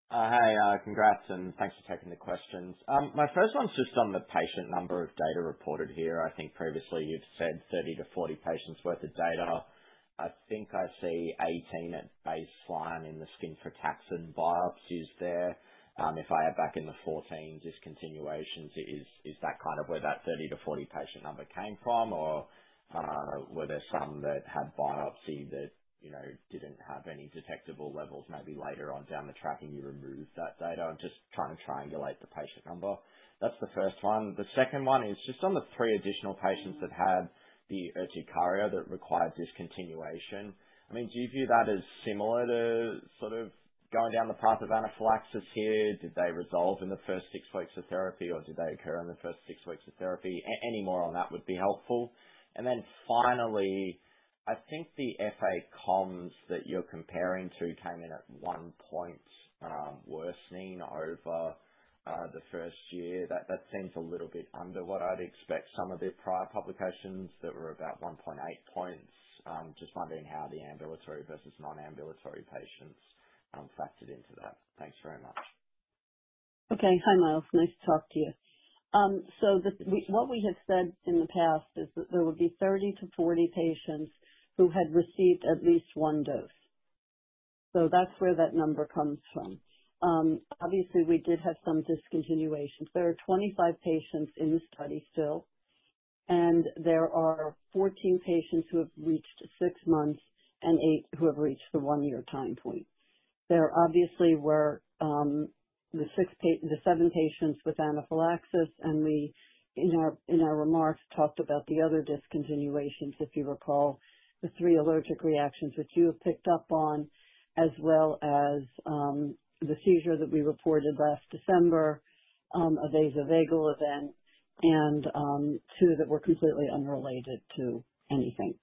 Hi. Congrats, and thanks for taking the questions. My first one's just on the patient number of data reported here. I think previously you've said 30-40 patients' worth of data. I think I see 18 at baseline in the skin frataxin biopsies there. If I add back in the 14 discontinuations, is that kind of where that 30-40 patient number came from, or were there some that had biopsy that didn't have any detectable levels maybe later on down the track and you removed that data and just kind of triangulate the patient number? That's the first one. The second one is just on the three additional patients that had the urticaria that required discontinuation. I mean, do you view that as similar to sort of going down the path of anaphylaxis here? Did they resolve in the first six weeks of therapy, or did they occur in the first six weeks of therapy? Any more on that would be helpful. And then finally, I think the FACOMS that you're comparing to came in at one point worsening over the first year. That seems a little bit under what I'd expect. Some of the prior publications that were about 1.8 points. Just wondering how the ambulatory versus non-ambulatory patients factored into that. Thanks very much. Okay. Hi, Myles. Nice to talk to you. So what we have said in the past is that there would be 30-40 patients who had received at least one dose. So that's where that number comes from. Obviously, we did have some discontinuations. There are 25 patients in the study still, and there are 14 patients who have reached six months and eight who have reached the one-year time point. There obviously were the seven patients with anaphylaxis, and we in our remarks talked about the other discontinuations, if you recall, the three allergic reactions that you have picked up on, as well as the seizure that we reported last December, a vasovagal event, and two that were completely unrelated to anything,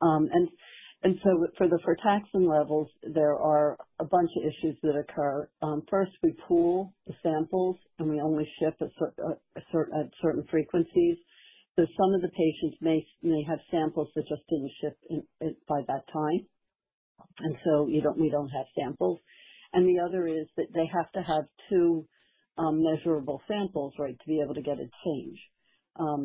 and so for the frataxin levels, there are a bunch of issues that occur. First, we pool the samples, and we only ship at certain frequencies. So some of the patients may have samples that just didn't ship by that time, and so we don't have samples, and the other is that they have to have two measurable samples, right, to be able to get a change.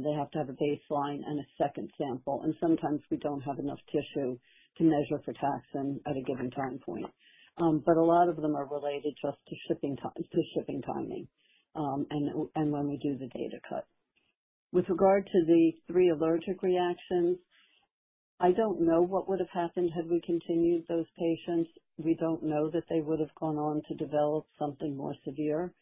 They have to have a baseline and a second sample. And sometimes we don't have enough tissue to measure frataxin at a given time point. But a lot of them are related just to shipping timing and when we do the data cut. With regard to the three allergic reactions, I don't know what would have happened had we continued those patients. We don't know that they would have gone on to develop something more severe.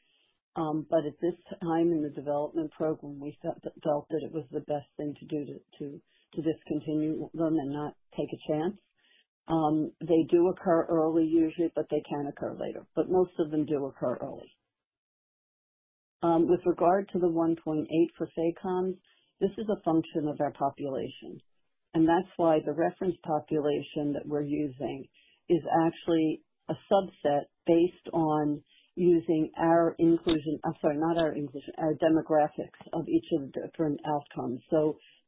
But at this time in the development program, we felt that it was the best thing to do to discontinue them and not take a chance. They do occur early usually, but they can occur later. But most of them do occur early. With regard to the 1.8 for FACOMS, this is a function of our population. That's why the reference population that we're using is actually a subset based on using our inclusion. I'm sorry, not our inclusion. Our demographics of each of the different outcomes.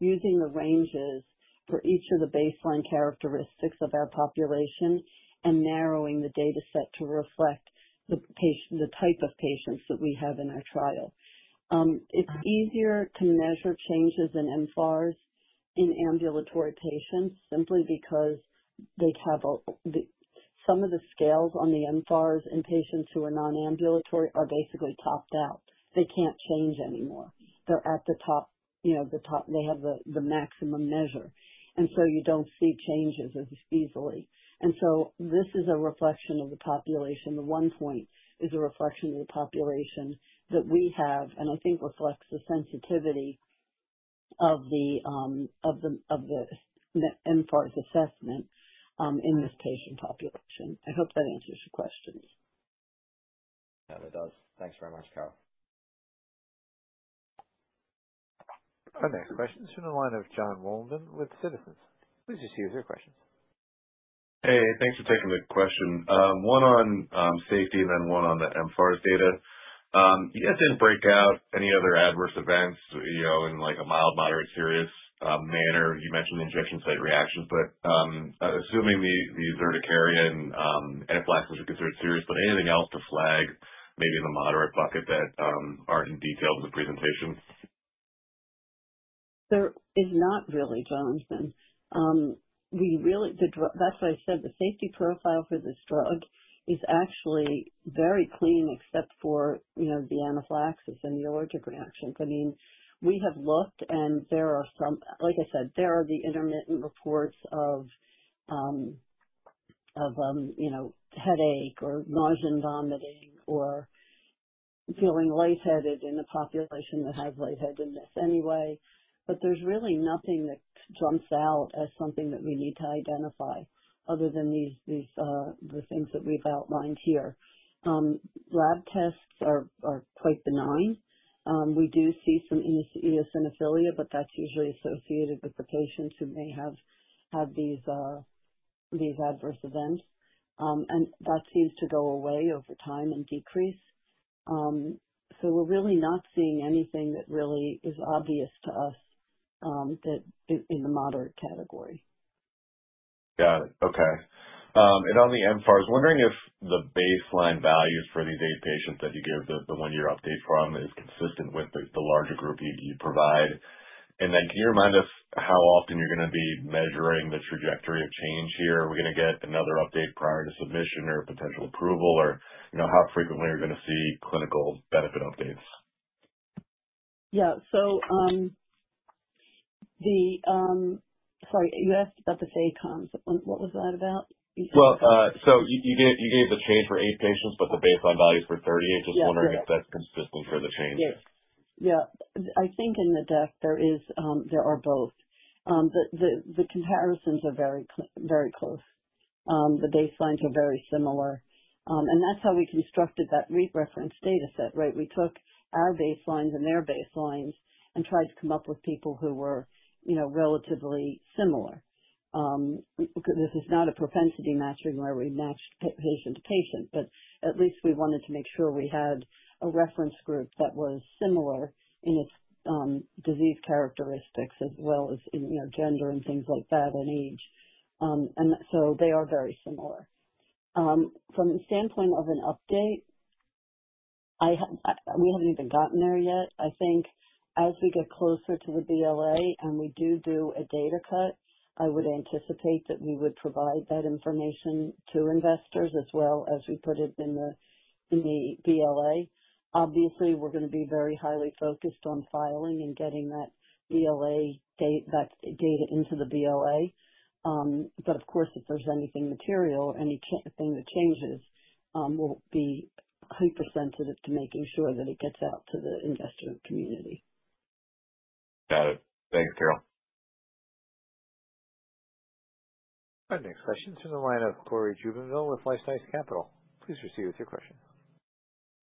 Using the ranges for each of the baseline characteristics of our population and narrowing the dataset to reflect the type of patients that we have in our trial. It's easier to measure changes in mFARS in ambulatory patients simply because they have some of the scales on the mFARS, in patients who are non-ambulatory are basically topped out. They can't change anymore. They're at the top. They have the maximum measure. You don't see changes as easily. This is a reflection of the population. The one point is a reflection of the population that we have, and I think reflects the sensitivity of the mFARS assessment in this patient population. I hope that answers your questions. No, it does. Thanks very much, Carole. Our next question is from the line of Jon Wolleben with JMP Securities. Please just use your questions. Hey, thanks for taking the question. One on safety and then one on the mFARS data. You guys didn't break out any other adverse events in a mild, moderate, serious manner. You mentioned injection site reactions. But assuming the urticaria and anaphylaxis are considered serious, but anything else to flag maybe in the moderate bucket that aren't in detail in the presentation? There is not really, Jonathan. That's why I said the safety profile for this drug is actually very clean except for the anaphylaxis and the allergic reactions. I mean, we have looked, and there are some—like I said, there are the intermittent reports of headache or nausea and vomiting or feeling lightheaded in a population that has lightheadedness anyway. But there's really nothing that jumps out as something that we need to identify other than the things that we've outlined here. Lab tests are quite benign. We do see some eosinophilia, but that's usually associated with the patients who may have these adverse events. And that seems to go away over time and decrease. So we're really not seeing anything that really is obvious to us in the moderate category. Got it. Okay. And on the mFARS, wondering if the baseline value for these eight patients that you give the one-year update from is consistent with the larger group you provide. And then can you remind us how often you're going to be measuring the trajectory of change here? Are we going to get another update prior to submission or potential approval, or how frequently are you going to see clinical benefit updates? Yeah. Sorry, you asked about the FACOMS. What was that about? Well, so you gave the change for eight patients, but the baseline value is for 38. Just wondering if that's consistent for the change. Yes. Yeah. I think in the deck, there are both. The comparisons are very close. The baselines are very similar. And that's how we constructed that reference dataset, right? We took our baselines and their baselines and tried to come up with people who were relatively similar. This is not a propensity matching where we matched patient to patient, but at least we wanted to make sure we had a reference group that was similar in its disease characteristics as well as in gender and things like that and age. And so they are very similar. From the standpoint of an update, we haven't even gotten there yet. I think as we get closer to the BLA and we do do a data cut, I would anticipate that we would provide that information to investors as well as we put it in the BLA. Obviously, we're going to be very highly focused on filing and getting that BLA data into the BLA. But of course, if there's anything material or anything that changes, we'll be hyper-sensitive to making sure that it gets out to the investor community. Got it. Thanks, Carole. Our next question is from the line of Cory Jubinville with LifeSci Capital. Please proceed with your question.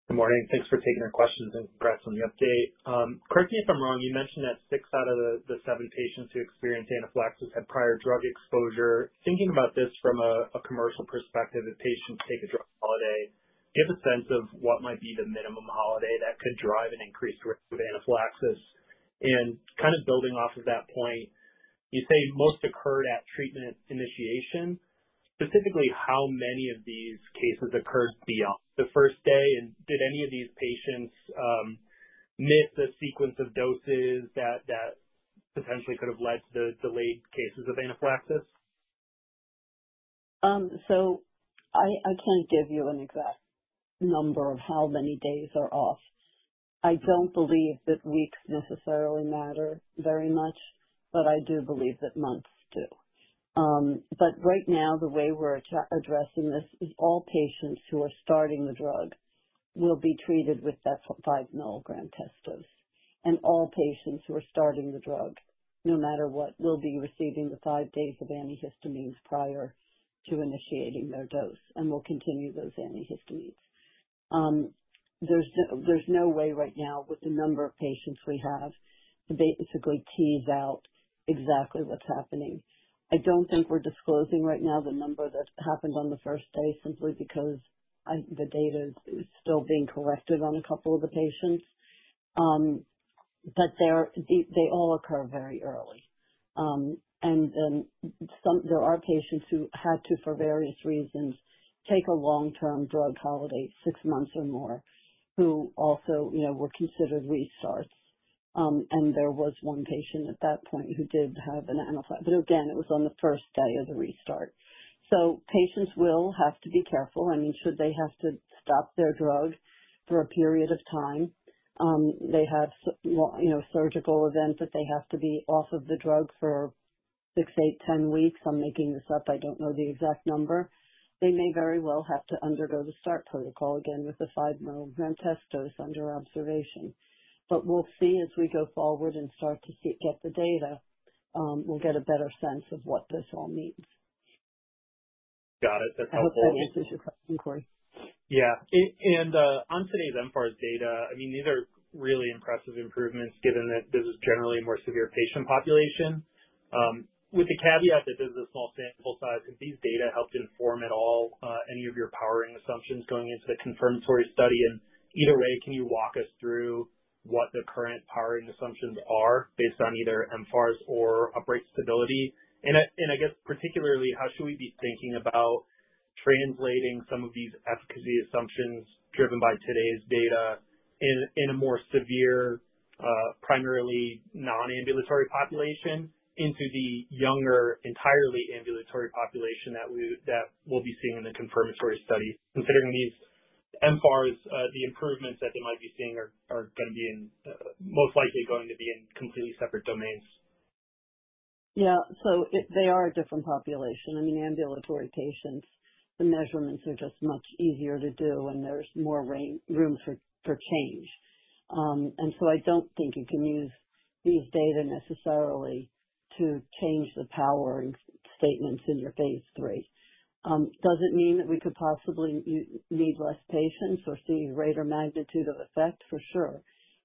Good morning. Thanks for taking our questions and congrats on the update. Correct me if I'm wrong. You mentioned that six out of the seven patients who experienced anaphylaxis had prior drug exposure. Thinking about this from a commercial perspective, if patients take a drug holiday, give a sense of what might be the minimum holiday that could drive an increased risk of anaphylaxis? And kind of building off of that point, you say most occurred at treatment initiation. Specifically, how many of these cases occurred beyond the first day? And did any of these patients miss a sequence of doses that potentially could have led to the delayed cases of anaphylaxis? So I can't give you an exact number of how many days are off. I don't believe that weeks necessarily matter very much, but I do believe that months do. But right now, the way we're addressing this is all patients who are starting the drug will be treated with that 5 mg test dose. And all patients who are starting the drug, no matter what, will be receiving the five days of antihistamines prior to initiating their dose and will continue those antihistamines. There's no way right now with the number of patients we have to basically tease out exactly what's happening. I don't think we're disclosing right now the number that happened on the first day simply because the data is still being collected on a couple of the patients. But they all occur very early. And then there are patients who had to, for various reasons, take a long-term drug holiday, six months or more, who also were considered restarts. And there was one patient at that point who did have an anaphylaxis. But again, it was on the first day of the restart. So patients will have to be careful. I mean, should they have to stop their drug for a period of time? They have surgical events that they have to be off of the drug for six, eight, 10 weeks. I'm making this up. I don't know the exact number. They may very well have to undergo the start protocol again with the 5 mg test dose under observation. But we'll see as we go forward and start to get the data, we'll get a better sense of what this all means. Got it. That's helpful. I hope that answers your question, Cory. Yeah. And on today's mFARS data, I mean, these are really impressive improvements given that this is generally a more severe patient population. With the caveat that this is a small sample size, have these data helped inform at all any of your powering assumptions going into the confirmatory study? Either way, can you walk us through what the current powering assumptions are based on either mFARS or upright stability? And I guess particularly, how should we be thinking about translating some of these efficacy assumptions driven by today's data in a more severe, primarily non-ambulatory population into the younger, entirely ambulatory population that we'll be seeing in the confirmatory study? Considering these mFARS, the improvements that they might be seeing are most likely going to be in completely separate domains. Yeah. So they are a different population. I mean, ambulatory patients, the measurements are just much easier to do when there's more room for change. And so I don't think you can use these data necessarily to change the powering statements in your phase III. Does it mean that we could possibly need less patients or see a greater magnitude of effect? For sure.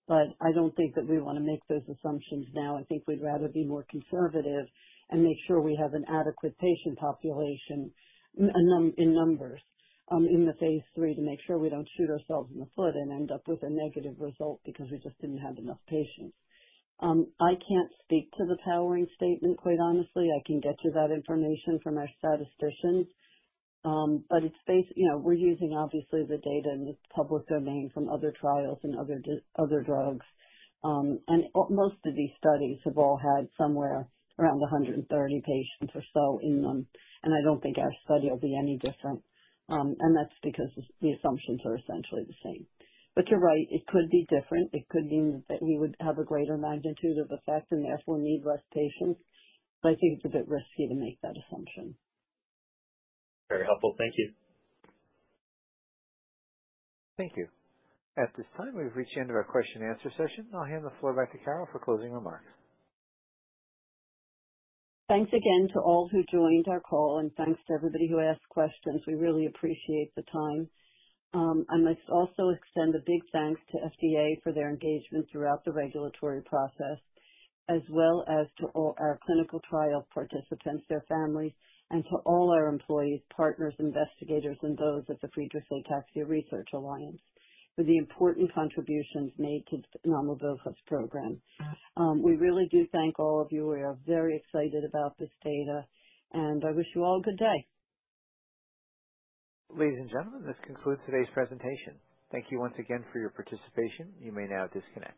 But I don't think that we want to make those assumptions now. I think we'd rather be more conservative and make sure we have an adequate patient population in numbers in the phase III to make sure we don't shoot ourselves in the foot and end up with a negative result because we just didn't have enough patients. I can't speak to the powering statement, quite honestly. I can get you that information from our statisticians. But we're using, obviously, the data in the public domain from other trials and other drugs. And most of these studies have all had somewhere around 130 patients or so in them. And I don't think our study will be any different. And that's because the assumptions are essentially the same. But you're right. It could be different. It could mean that we would have a greater magnitude of effect and therefore need less patients. But I think it's a bit risky to make that assumption. Very helpful. Thank you. Thank you. At this time, we've reached the end of our question-and-answer session. I'll hand the floor back to Carole for closing remarks. Thanks again to all who joined our call, and thanks to everybody who asked questions. We really appreciate the time. I must also extend a big thanks to FDA for their engagement throughout the regulatory process, as well as to all our clinical trial participants, their families, and to all our employees, partners, investigators, and those at the Friedreich's Ataxia Research Alliance for the important contributions made to the nomlabofusp program. We really do thank all of you. We are very excited about this data. I wish you all a good day. Ladies and gentlemen, this concludes today's presentation. Thank you once again for your participation. You may now disconnect.